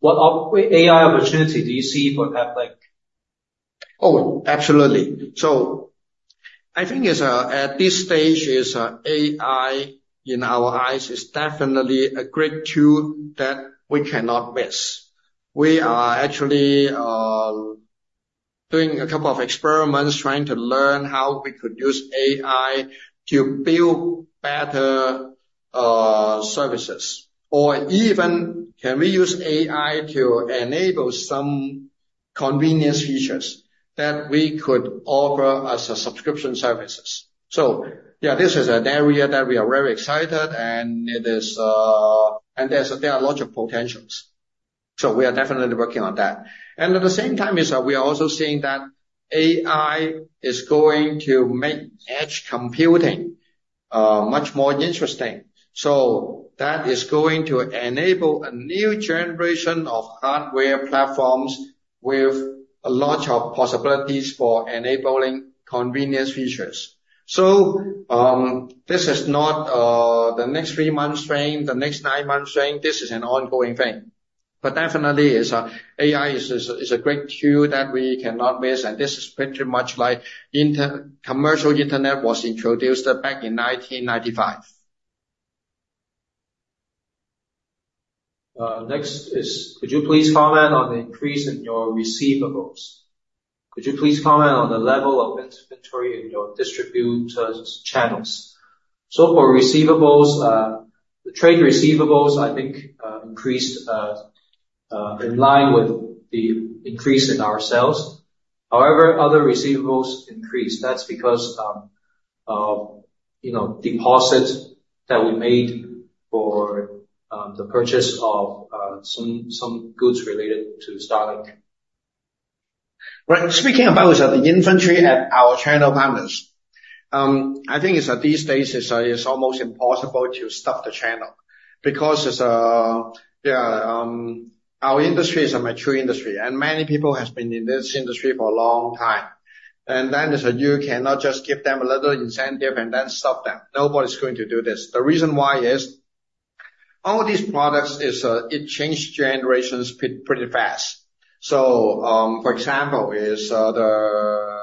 So what AI opportunity do you see for Peplink? Oh, absolutely. So I think, at this stage, AI in our eyes is definitely a great tool that we cannot miss. We are actually doing a couple of experiments trying to learn how we could use AI to build better services. Or even can we use AI to enable some convenience features that we could offer as subscription services. So yeah, this is an area that we are very excited. And it is, and there are a lot of potentials. So we are definitely working on that. And at the same time, we are also seeing that AI is going to make edge computing much more interesting. So that is going to enable a new generation of hardware platforms with a lot of possibilities for enabling convenience features. So this is not the next three months thing, the next nine months thing. This is an ongoing thing. But definitely, AI is a great tool that we cannot miss. And this is pretty much like the commercial internet was introduced back in 1995. Next is, could you please comment on the increase in your receivables? Could you please comment on the level of inventory in your distributors' channels? So for receivables, the trade receivables, I think, increased in line with the increase in our sales. However, other receivables increased. That's because of, you know, deposits that we made for the purchase of some goods related to Starlink. Right. Speaking about the inventory at our channel partners, I think these days it's almost impossible to stop the channel. Because yeah, our industry is a mature industry. Many people have been in this industry for a long time. Then you cannot just give them a little incentive and then stop them. Nobody's going to do this. The reason why all these products it changed generations pretty, pretty fast. So, for example, the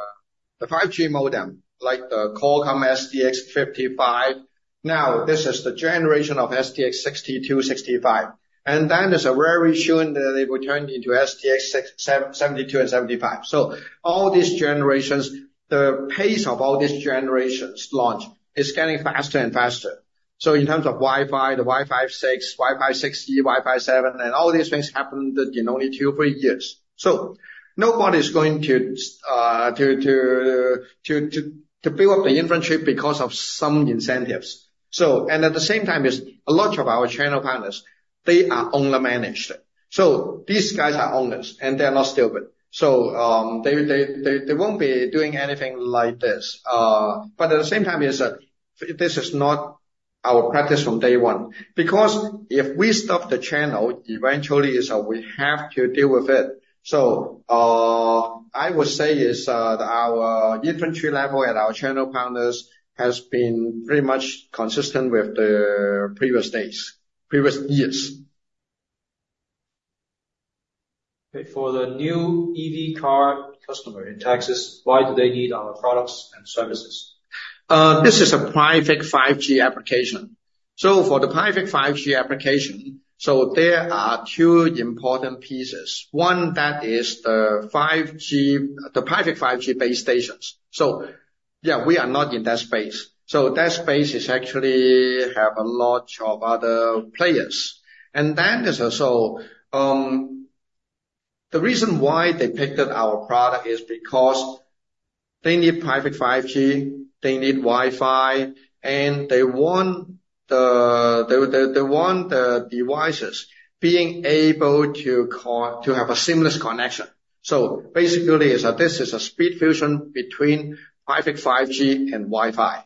5G modem, like the Qualcomm SDX55, now this is the generation of SDX62 and SDX65. And then very soon that it will turn into SDX72 and SDX75. So all these generations, the pace of all these generations launch is getting faster and faster. So in terms of Wi-Fi, the Wi-Fi 6, Wi-Fi 6E, Wi-Fi 7, and all these things happened in only 2-3 years. So nobody's going to build up the inventory because of some incentives. So, at the same time, a lot of our channel partners, they are owner-managed. So these guys are owners. And they are not stupid. So, they won't be doing anything like this. But at the same time, this is not our practice from day one. Because if we stop the channel, eventually we have to deal with it. So, I would say that our inventory level at our channel partners has been pretty much consistent with the previous days, previous years. Okay. For the new EV car customer in Texas, why do they need our products and services? This is a private 5G application. So for the private 5G application, so there are two important pieces. One that is the 5G the private 5G base stations. So yeah, we are not in that space. So that space is actually have a lot of other players. And then is, so, the reason why they picked up our product is because they need private 5G, they need Wi-Fi, and they want the they, they, they want the devices being able to have a seamless connection. So basically is, this is a SpeedFusion between private 5G and Wi-Fi.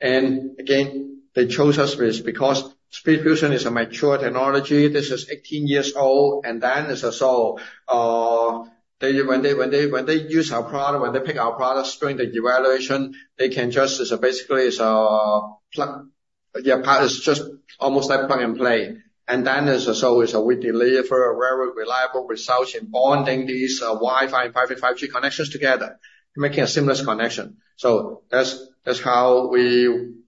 And again, they chose us is because SpeedFusion is a mature technology. This is 18 years old. They, when they use our product, when they pick our product during the evaluation, they can just basically plug yeah, it's just almost like plug and play. We deliver a very reliable result in bonding these Wi-Fi and Private 5G connections together, making a seamless connection. So that's how we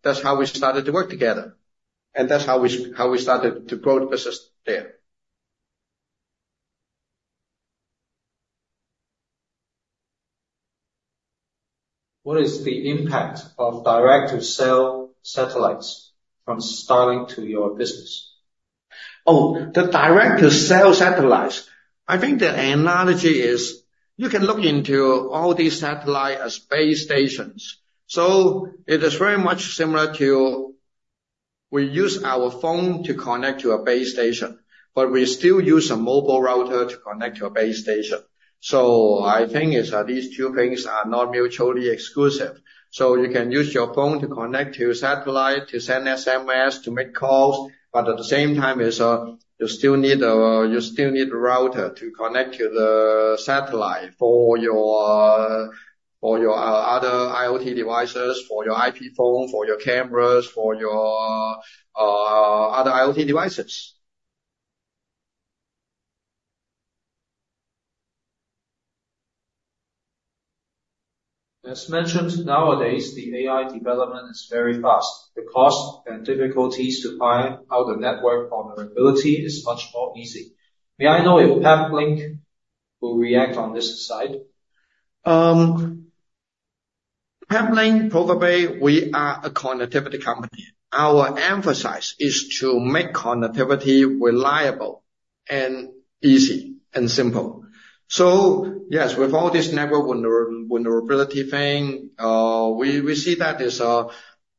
started to work together. That's how we started to grow the business there. What is the impact of direct-to-cell satellites from Starlink to your business? Oh, the direct-to-cell satellites, I think the analogy is, you can look into all these satellites as base stations. So it is very much similar to we use our phone to connect to a base station. But we still use a mobile router to connect to a base station. So I think it is, these two things are not mutually exclusive. So you can use your phone to connect to satellite, to send SMS, to make calls. But at the same time it is, you still need, you still need the router to connect to the satellite for your, for your, other IoT devices, for your IP phone, for your cameras, for your, other IoT devices. As mentioned, nowadays the AI development is very fast. The cost and difficulties to find out the network vulnerability is much more easy. May I know if Peplink will react on this side? Peplink, probably we are a connectivity company. Our emphasis is to make connectivity reliable and easy and simple. So yes, with all this network vulnerability thing, we see that is,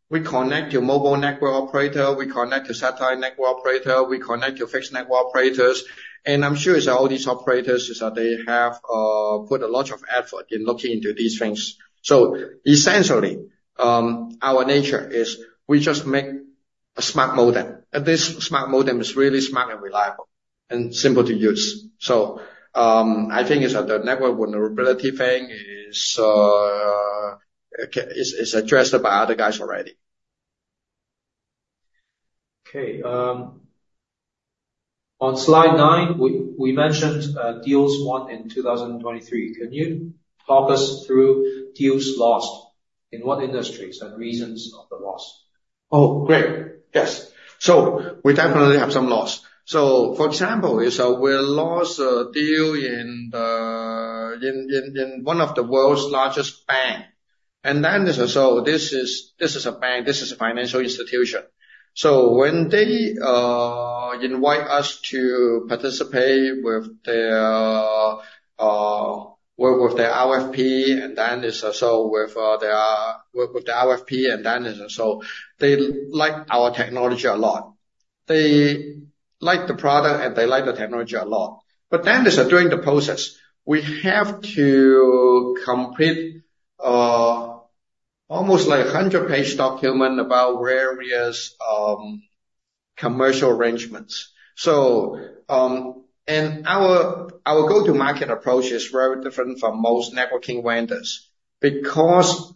we connect to mobile network operator, we connect to satellite network operator, we connect to fixed network operators. And I'm sure, all these operators, they have put a lot of effort in looking into these things. So essentially, our nature is, we just make a smart modem. And this smart modem is really smart and reliable and simple to use. So, I think, the network vulnerability thing is addressed by other guys already. Okay. On slide 9, we mentioned deals won in 2023. Can you talk us through deals lost? In what industries and reasons of the loss? Oh, great. Yes. So we definitely have some loss. So for example, we lost a deal in one of the world's largest banks. So this is a bank. This is a financial institution. So when they invite us to participate with their RFP, so they like our technology a lot. They like the product and they like the technology a lot. But then, during the process, we have to complete almost like 100-page document about various commercial arrangements. So our go-to-market approach is very different from most networking vendors. Because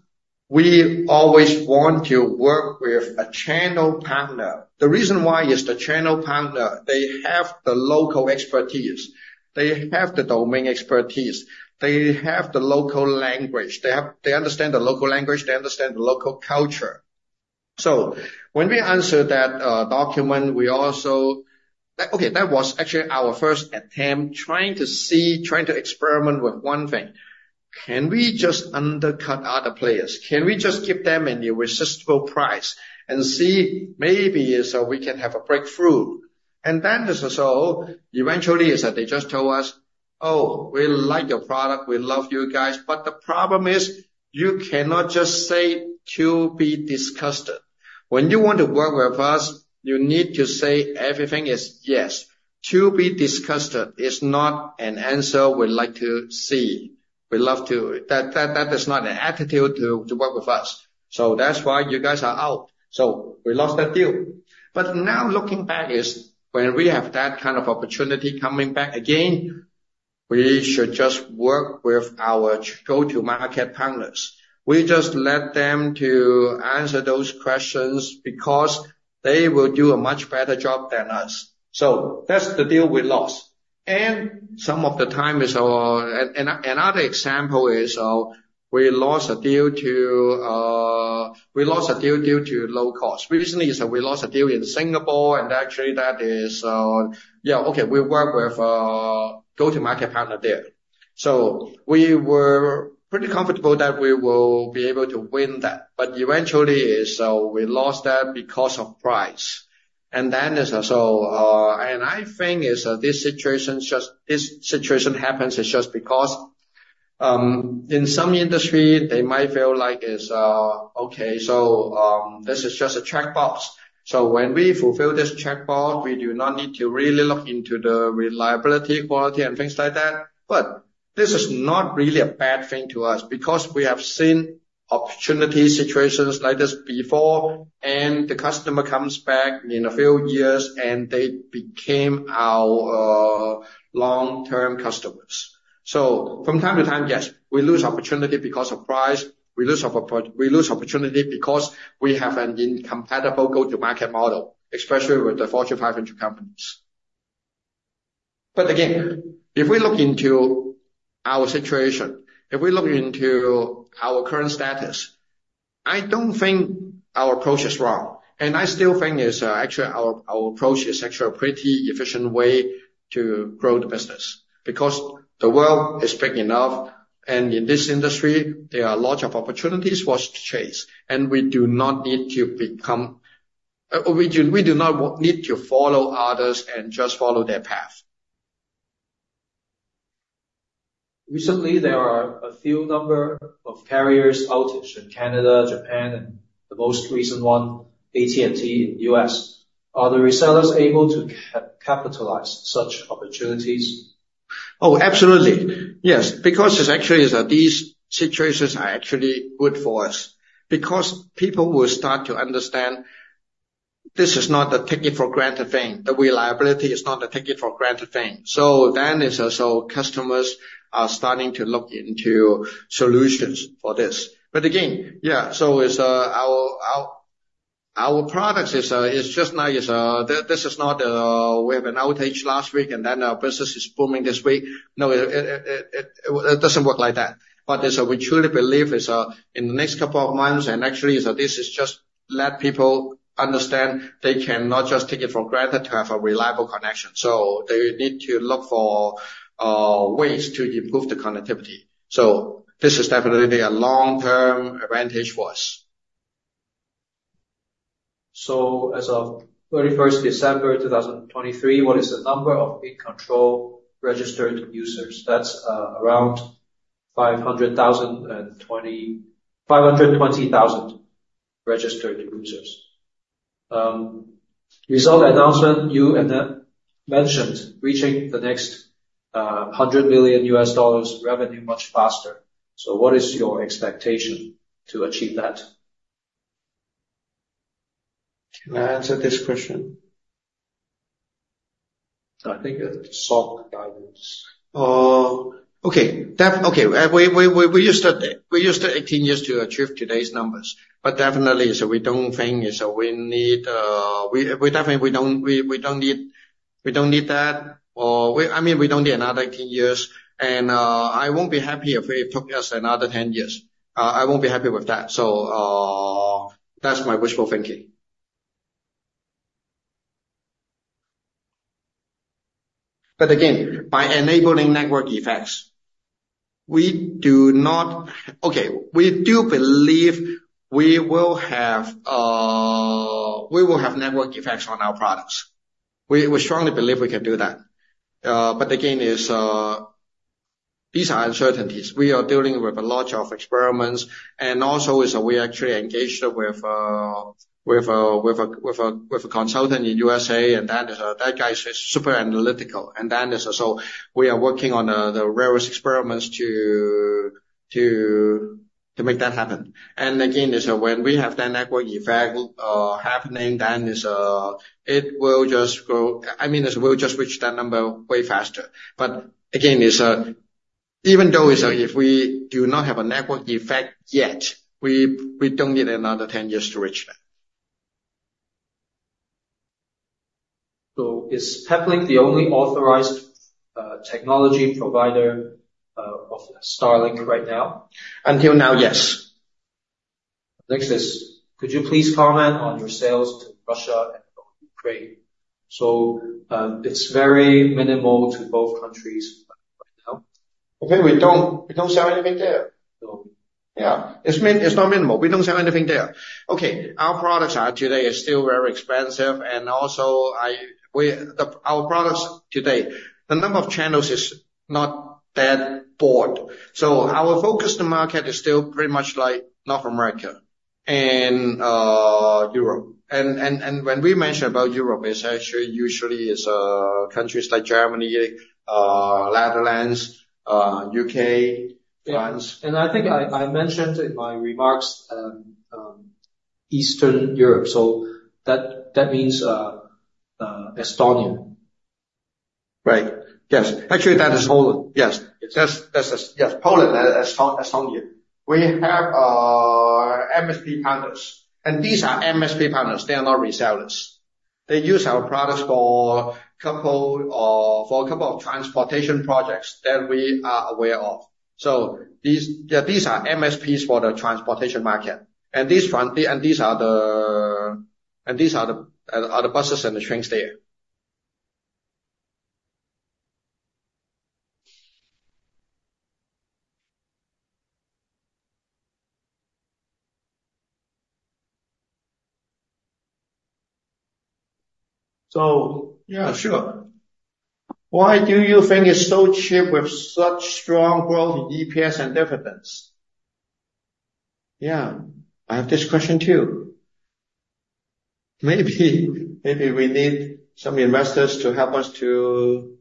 we always want to work with a channel partner. The reason why is the channel partner, they have the local expertise. They have the domain expertise. They have the local language. They understand the local language. They understand the local culture. So when we answer that document, we also that okay, that was actually our first attempt trying to experiment with one thing. Can we just undercut other players? Can we just give them a near-irresistible price and see maybe we can have a breakthrough? And then so eventually they just tell us, "Oh, we like your product. We love you guys. But the problem is, you cannot just say to be determined. When you want to work with us, you need to say everything is yes. To be determined is not an answer we like to see. We love to" that is not an attitude to work with us. So that's why you guys are out. So we lost that deal. But now looking back is, when we have that kind of opportunity coming back again, we should just work with our go-to-market partners. We just let them to answer those questions because they will do a much better job than us. So that's the deal we lost. And some of the time is, another example is, we lost a deal due to low cost. Recently is, we lost a deal in Singapore. And actually that is, yeah, okay, we work with go-to-market partner there. So we were pretty comfortable that we will be able to win that. But eventually is, we lost that because of price. And then is, so, and I think is, this situation happens is just because, in some industry, they might feel like is, okay, so, this is just a checkbox. So when we fulfill this checkbox, we do not need to really look into the reliability, quality, and things like that. But this is not really a bad thing to us because we have seen opportunity situations like this before. And the customer comes back in a few years and they became our long-term customers. So from time to time, yes, we lose opportunity because of price. We lose opportunity because we have an incompatible go-to-market model, especially with the Fortune 500 companies. But again, if we look into our situation, if we look into our current status, I don't think our approach is wrong. And I still think is, actually our approach is actually a pretty efficient way to grow the business. Because the world is big enough. And in this industry, there are a lot of opportunities for us to chase. And we do not need to become. We do not need to follow others and just follow their path. Recently there are a few number of carrier outages in Canada, Japan, and the most recent one, AT&T, in the U.S. Are the resellers able to capitalize such opportunities? Oh, absolutely. Yes. Because actually, these situations are actually good for us. Because people will start to understand this is not a take-it-for-granted thing. The reliability is not a take-it-for-granted thing. So customers are starting to look into solutions for this. But again, yeah, so our products just now—this is not, we have an outage last week and then our business is booming this week. No, it doesn't work like that. But we truly believe, in the next couple of months and actually, this is just let people understand they cannot just take it for granted to have a reliable connection. So they need to look for ways to improve the connectivity. So this is definitely a long-term advantage for us. So as of 31st December 2023, what is the number of InControl registered users? That's around 520,000 registered users. In the results announcement, you mentioned that reaching the next $100 million revenue much faster. So what is your expectation to achieve that? Can I answer this question? I think it's soft guidance. Okay. Definitely okay. We used to 18 years to achieve today's numbers. But definitely, we don't think we need that. We definitely don't need that. Or, I mean, we don't need another 18 years. And I won't be happy if we took us another 10 years. I won't be happy with that. So, that's my wishful thinking. But again, by enabling network effects, we do believe we will have network effects on our products. We strongly believe we can do that. But again, these are uncertainties. We are dealing with a lot of experiments. And also, we actually engaged with a consultant in USA. And then, that guy is super analytical. So we are working on the various experiments to make that happen. And again, when we have that network effect happening, then it will just grow. I mean, we'll just reach that number way faster. But again, even though if we do not have a network effect yet, we don't need another 10 years to reach that. Is Peplink the only authorized technology provider of Starlink right now? Until now, yes. Next is, could you please comment on your sales to Russia and Ukraine? So, it's very minimal to both countries, right now. Okay. We don't sell anything there. No. Yeah. It's minimal. It's not minimal. We don't sell anything there. Okay. Our products today are still very expensive. And also, our products today, the number of channels is not that broad. So our focused market is still pretty much like North America and Europe. And when we mention about Europe, it's actually usually countries like Germany, Netherlands, U.K., France. Yeah. And I think I mentioned in my remarks Eastern Europe. So that means Estonia. Right. Yes. Actually that is Poland. Yes. Yes. That's us. Yes. Poland and Estonia. We have MSP partners. And these are MSP partners. They are not resellers. They use our products for a couple of transportation projects that we are aware of. So these yeah, these are MSPs for the transportation market. And these are the buses and the trains there. So. Yeah. Sure. Why do you think it's so cheap with such strong growth in EPS and dividends? Yeah. I have this question too. Maybe, maybe we need some investors to help us to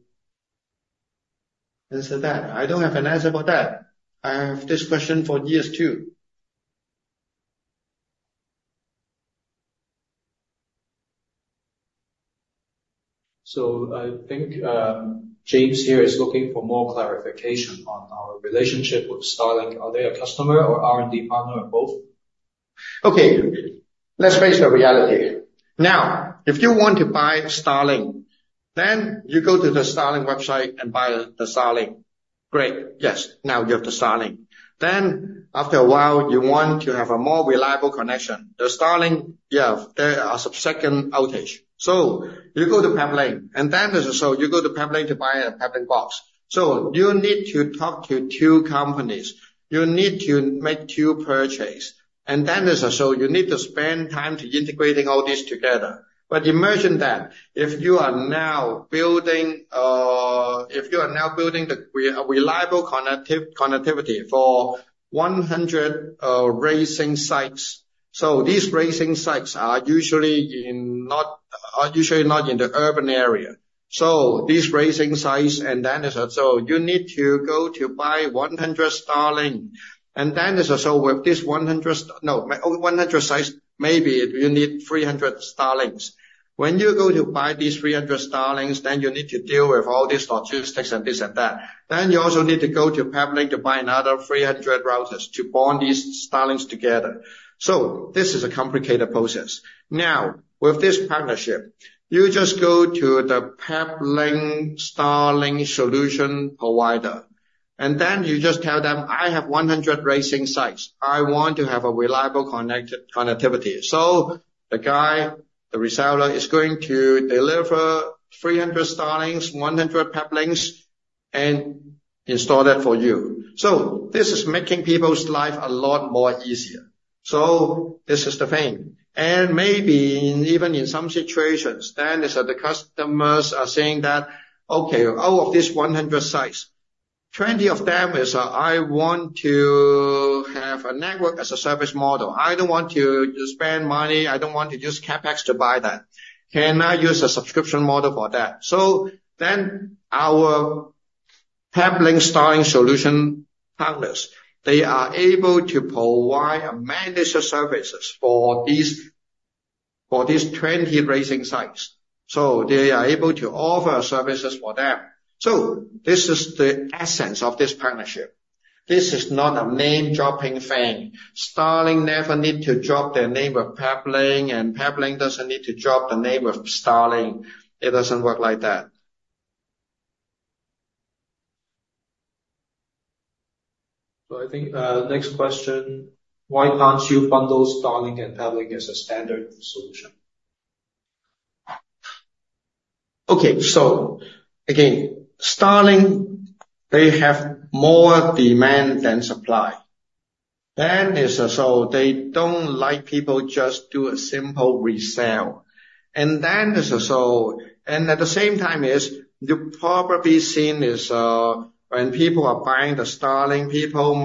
answer that. I don't have an answer for that. I have this question for years too. I think, James here is looking for more clarification on our relationship with Starlink. Are they a customer or R&D partner or both? Okay. Let's face the reality. Now, if you want to buy Starlink, then you go to the Starlink website and buy the Starlink. Great. Yes. Now you have the Starlink. Then after a while, you want to have a more reliable connection. The Starlink yeah, there are sub-second outage. So you go to Peplink. So you go to Peplink to buy a Peplink box. So you need to talk to two companies. You need to make two purchases. So you need to spend time integrating all this together. But imagine that if you are now building the reliable connectivity for 100 racing sites. So these racing sites are usually not in the urban area. So you need to go to buy 100 Starlink. So with this 100 sites, maybe you need 300 Starlinks. When you go to buy these 300 Starlinks, then you need to deal with all this logistics and this and that. Then you also need to go to Peplink to buy another 300 routers to bond these Starlinks together. So this is a complicated process. Now, with this partnership, you just go to the Peplink Starlink solution provider. And then you just tell them, "I have 100 racing sites. I want to have a reliable connected connectivity." So the guy, the reseller, is going to deliver 300 Starlinks, 100 Peplinks, and install that for you. So this is making people's life a lot more easier. So this is the thing. And maybe even in some situations, the customers are saying that, "Okay. Out of these 100 sites, 20 of them is, I want to have a network as a service model. I don't want to spend money. I don't want to use CapEx to buy that. Can I use a subscription model for that?" So then our Peplink Starlink solution partners, they are able to provide a managed services for these 20 racing sites. So they are able to offer services for them. So this is the essence of this partnership. This is not a name-dropping thing. Starlink never need to drop their name with Peplink. And Peplink doesn't need to drop the name with Starlink. It doesn't work like that. I think, next question, why can't you bundle Starlink and Peplink as a standard solution? Okay. So again, Starlink, they have more demand than supply. So they don't like people just do a simple resale. And at the same time, you probably seen, when people are buying the Starlink, people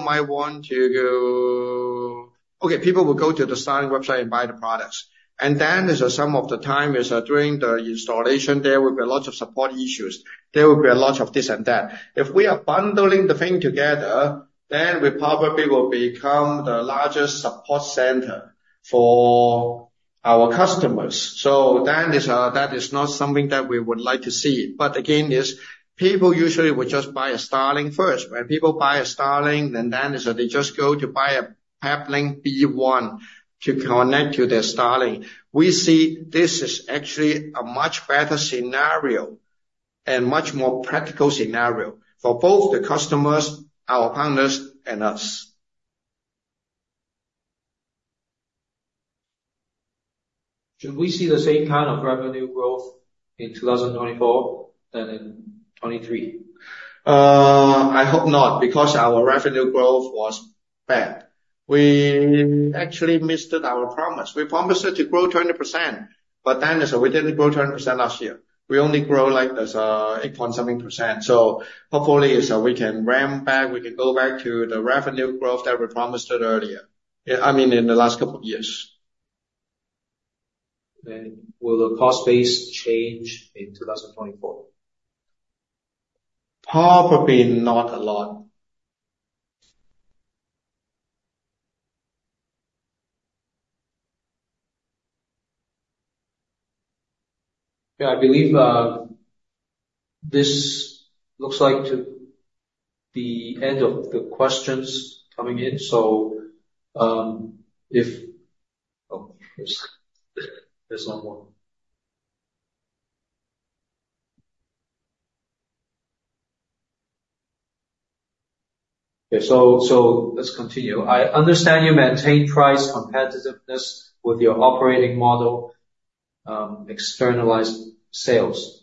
might want to go okay, people will go to the Starlink website and buy the products. And some of the time, during the installation, there will be a lot of support issues. There will be a lot of this and that. If we are bundling the thing together, then we probably will become the largest support center for our customers. That is not something that we would like to see. But again, people usually will just buy a Starlink first. When people buy a Starlink, they just go to buy a Peplink B One to connect to their Starlink. We see this is actually a much better scenario and much more practical scenario for both the customers, our partners, and us. Should we see the same kind of revenue growth in 2024 than in 2023? I hope not because our revenue growth was bad. We actually missed our promise. We promised it to grow 20%. But then, we didn't grow 20% last year. We only grow like 8 point something percent. So hopefully, we can ramp back. We can go back to the revenue growth that we promised it earlier. I mean, in the last couple of years. Will the cost base change in 2024? Probably not a lot. Yeah. I believe, this looks like to be end of the questions coming in. So, if oh, there's one more. Okay. So let's continue. I understand you maintain price competitiveness with your operating model, externalized sales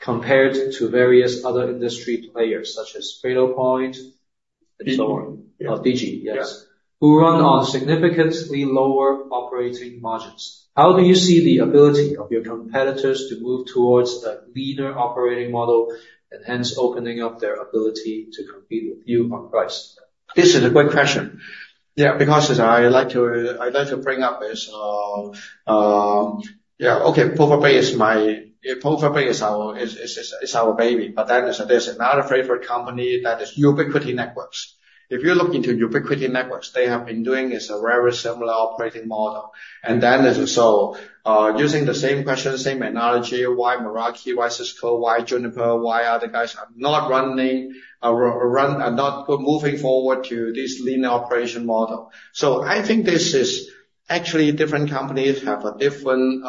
compared to various other industry players such as Cradlepoint and so on. Digi. Oh, Digi. Yes. Yeah. Who run on significantly lower operating margins? How do you see the ability of your competitors to move towards a leaner operating model and hence opening up their ability to compete with you on price? This is a good question. Yeah. Because I like to bring up, yeah. Okay. Plover Bay is my yeah. Plover Bay is our baby. But then there's another favorite company that is Ubiquiti Networks. If you look into Ubiquiti Networks, they have been doing a very similar operating model. And then, so, using the same question, same analogy, why Meraki, why Cisco, why Juniper, why other guys are not moving forward to this leaner operation model. So I think this is actually different companies have a different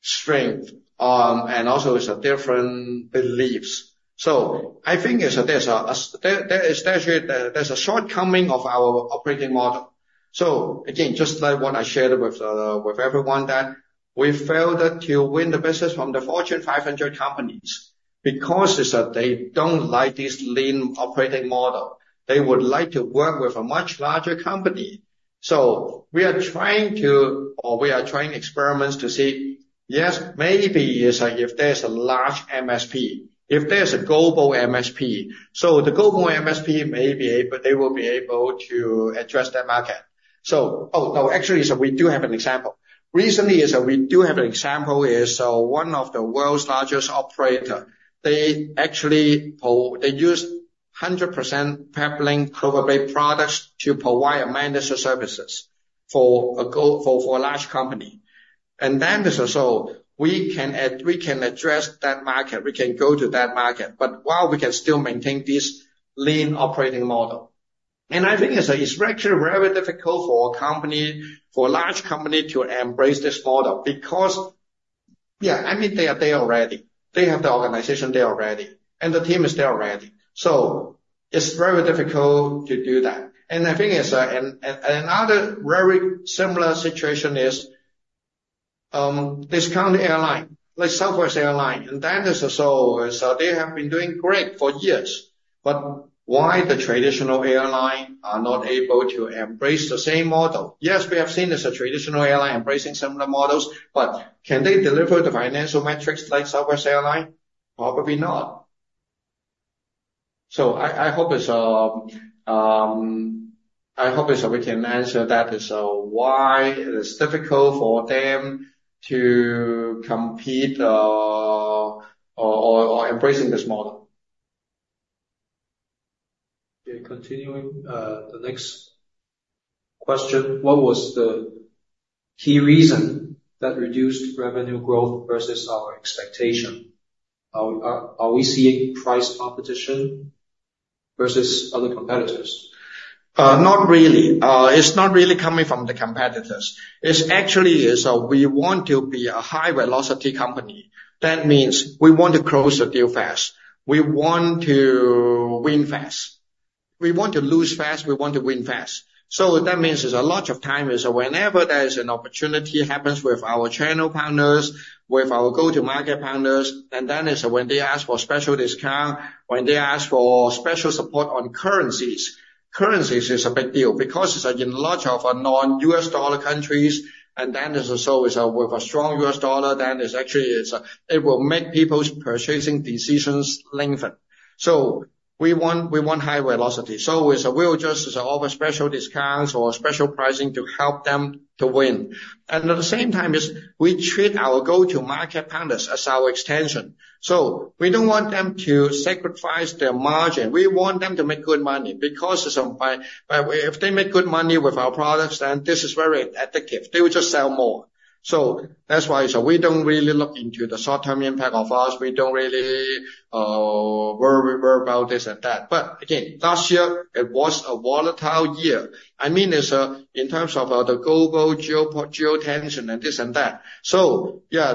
strength, and also a different beliefs. So I think there's actually a shortcoming of our operating model. So again, just like what I shared with everyone, that we failed to win the business from the Fortune 500 companies because they don't like this lean operating model. They would like to work with a much larger company. So we are trying experiments to see, yes, maybe if there's a large MSP, if there's a global MSP. So the global MSP may be able they will be able to address that market. So actually, we do have an example. Recently, we do have an example, one of the world's largest operator, they actually use 100% Peplink Plover Bay products to provide managed services for a global for a large company. And then so we can we can address that market. We can go to that market. But while we can still maintain this lean operating model. And I think it's actually very difficult for a company, for a large company, to embrace this model because, yeah. I mean, they are there already. They have the organization there already. And the team is there already. So it's very difficult to do that. And I think, and another very similar situation is this low-cost airline, like Southwest Airlines. And then, so they have been doing great for years. But why the traditional airline are not able to embrace the same model? Yes, we have seen a traditional airline embracing similar models. But can they deliver the financial metrics like Southwest Airlines? Probably not. So I hope we can answer that: why it is difficult for them to compete, or embracing this model. Okay. Continuing, the next question, what was the key reason that reduced revenue growth versus our expectation? Are we seeing price competition versus other competitors? Not really. It's not really coming from the competitors. It's actually, we want to be a high-velocity company. That means we want to close the deal fast. We want to win fast. We want to lose fast. We want to win fast. So that means a lot of time, whenever there is an opportunity happens with our channel partners, with our go-to-market partners, and then, when they ask for special discount, when they ask for special support on currencies, currencies is a big deal because, in a lot of non-U.S. dollar countries, and then, so, with a strong U.S. dollar, then actually, it will make people's purchasing decisions lengthen. So we want high velocity. So, we'll just offer special discounts or special pricing to help them to win. And at the same time, we treat our go-to-market partners as our extension. So we don't want them to sacrifice their margin. We want them to make good money because, by if they make good money with our products, then this is very addictive. They will just sell more. So that's why, we don't really look into the short-term impact of us. We don't really worry about this and that. But again, last year, it was a volatile year. I mean, in terms of the global geopolitical tension and this and that. So yeah.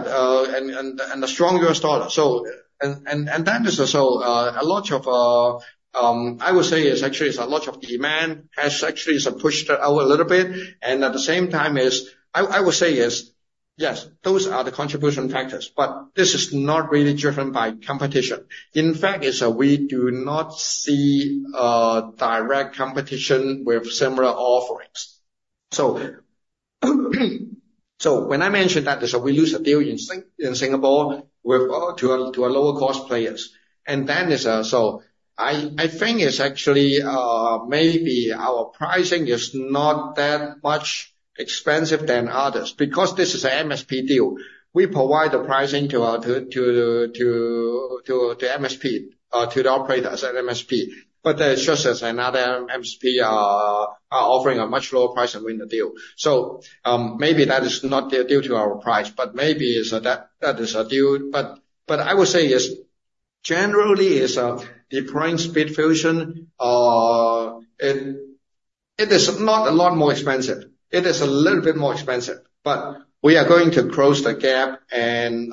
And a strong US dollar. So, then, a lot of, I would say, actually a lot of demand has actually pushed out a little bit. And at the same time, I would say yes, those are the contribution factors. But this is not really driven by competition. In fact, we do not see direct competition with similar offerings. So when I mentioned that, we lose a deal in Singapore to a lower-cost players. And then, so I think actually, maybe our pricing is not that much expensive than others because this is a MSP deal. We provide the pricing to our MSP, to the operators, an MSP. But there's just another MSP offering a much lower price and win the deal. So, maybe that is not the deal to our price. But maybe that is a deal. But I would say, generally, deploying SpeedFusion, it is not a lot more expensive. It is a little bit more expensive. But we are going to close the gap and,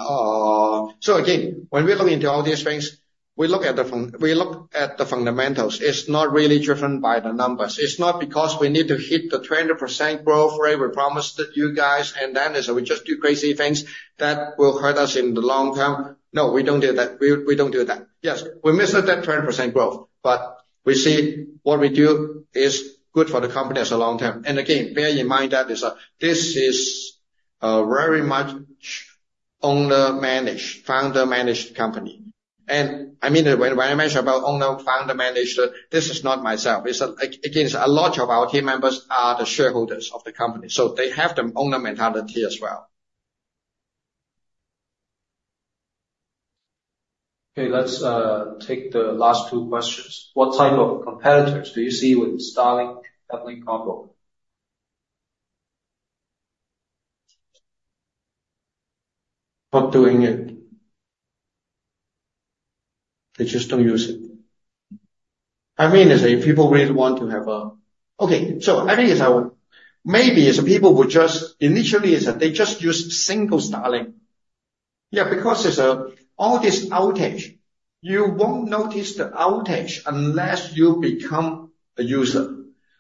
so again, when we look into all these things, we look at the fundamentals. It's not really driven by the numbers. It's not because we need to hit the 20% growth rate we promised you guys. And then, we just do crazy things that will hurt us in the long term. No, we don't do that. We don't do that. Yes, we missed that 20% growth. But we see what we do is good for the company as a long term. And again, bear in mind that this is very much owner-managed, founder-managed company. And I mean, when I mention about owner, founder-managed, this is not myself. It's, again, a lot of our team members are the shareholders of the company. So they have the owner mentality as well. Okay. Let's take the last two questions. What type of competitors do you see with Starlink Peplink combo? Not doing it. They just don't use it. I mean, people really want to have a okay. So I think, maybe people will just initially, they just use single Starlink. Yeah. Because all this outage, you won't notice the outage unless you become a user.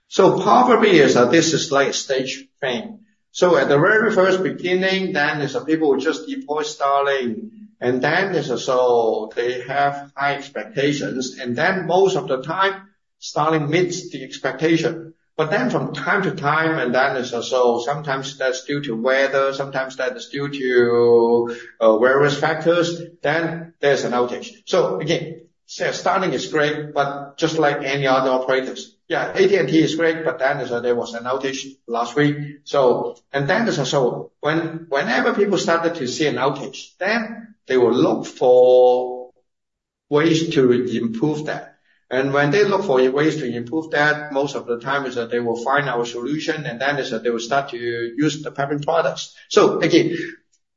So probably this is like a stage thing. So at the very first beginning, then people will just deploy Starlink. And then, so they have high expectations. And then most of the time, Starlink meets the expectation. But then from time to time, so sometimes that's due to weather. Sometimes that is due to various factors. Then there's an outage. So again, say Starlink is great, but just like any other operators. Yeah. AT&T is great. But then there was an outage last week. So whenever people started to see an outage, they will look for ways to improve that. And when they look for ways to improve that, most of the time they will find our solution. And then they will start to use the Peplink products. So again,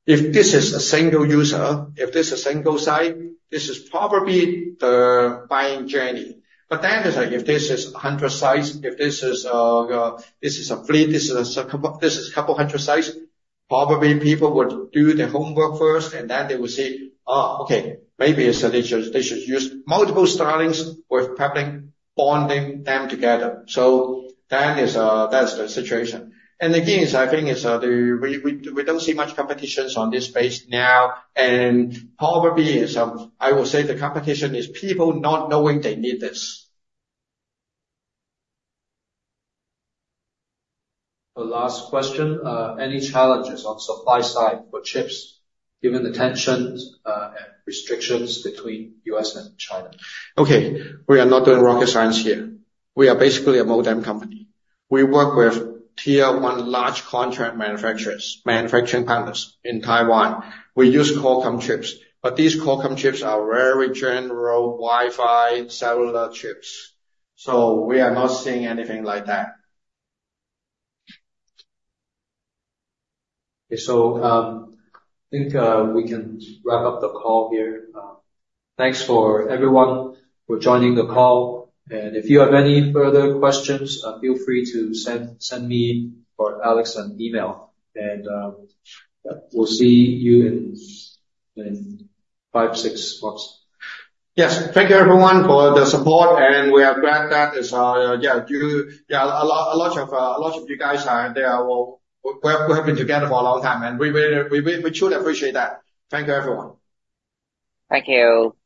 if this is a single user, if this is a single site, this is probably the buying journey. But then if this is 100 sites, if this is a fleet, this is a couple hundred sites, probably people would do their homework first. And then they will see, oh, okay. Maybe they should use multiple Starlinks with Peplink, bonding them together. So then that's the situation. And again, I think we don't see much competition on this space now. Probably is, I would say, the competition is people not knowing they need this. The last question, any challenges on supply side for chips given the tensions, and restrictions between U.S. and China? Okay. We are not doing rocket science here. We are basically a modem company. We work with tier one large contract manufacturers, manufacturing partners in Taiwan. We use Qualcomm chips. But these Qualcomm chips are very general Wi-Fi cellular chips. So we are not seeing anything like that. Okay. So, I think, we can wrap up the call here. Thanks for everyone for joining the call. And, we'll see you in five, six months. Yes. Thank you, everyone, for the support. We are glad that is, yeah. A lot of you guys are there as well. We've been together for a long time. We truly appreciate that. Thank you, everyone. Thank you.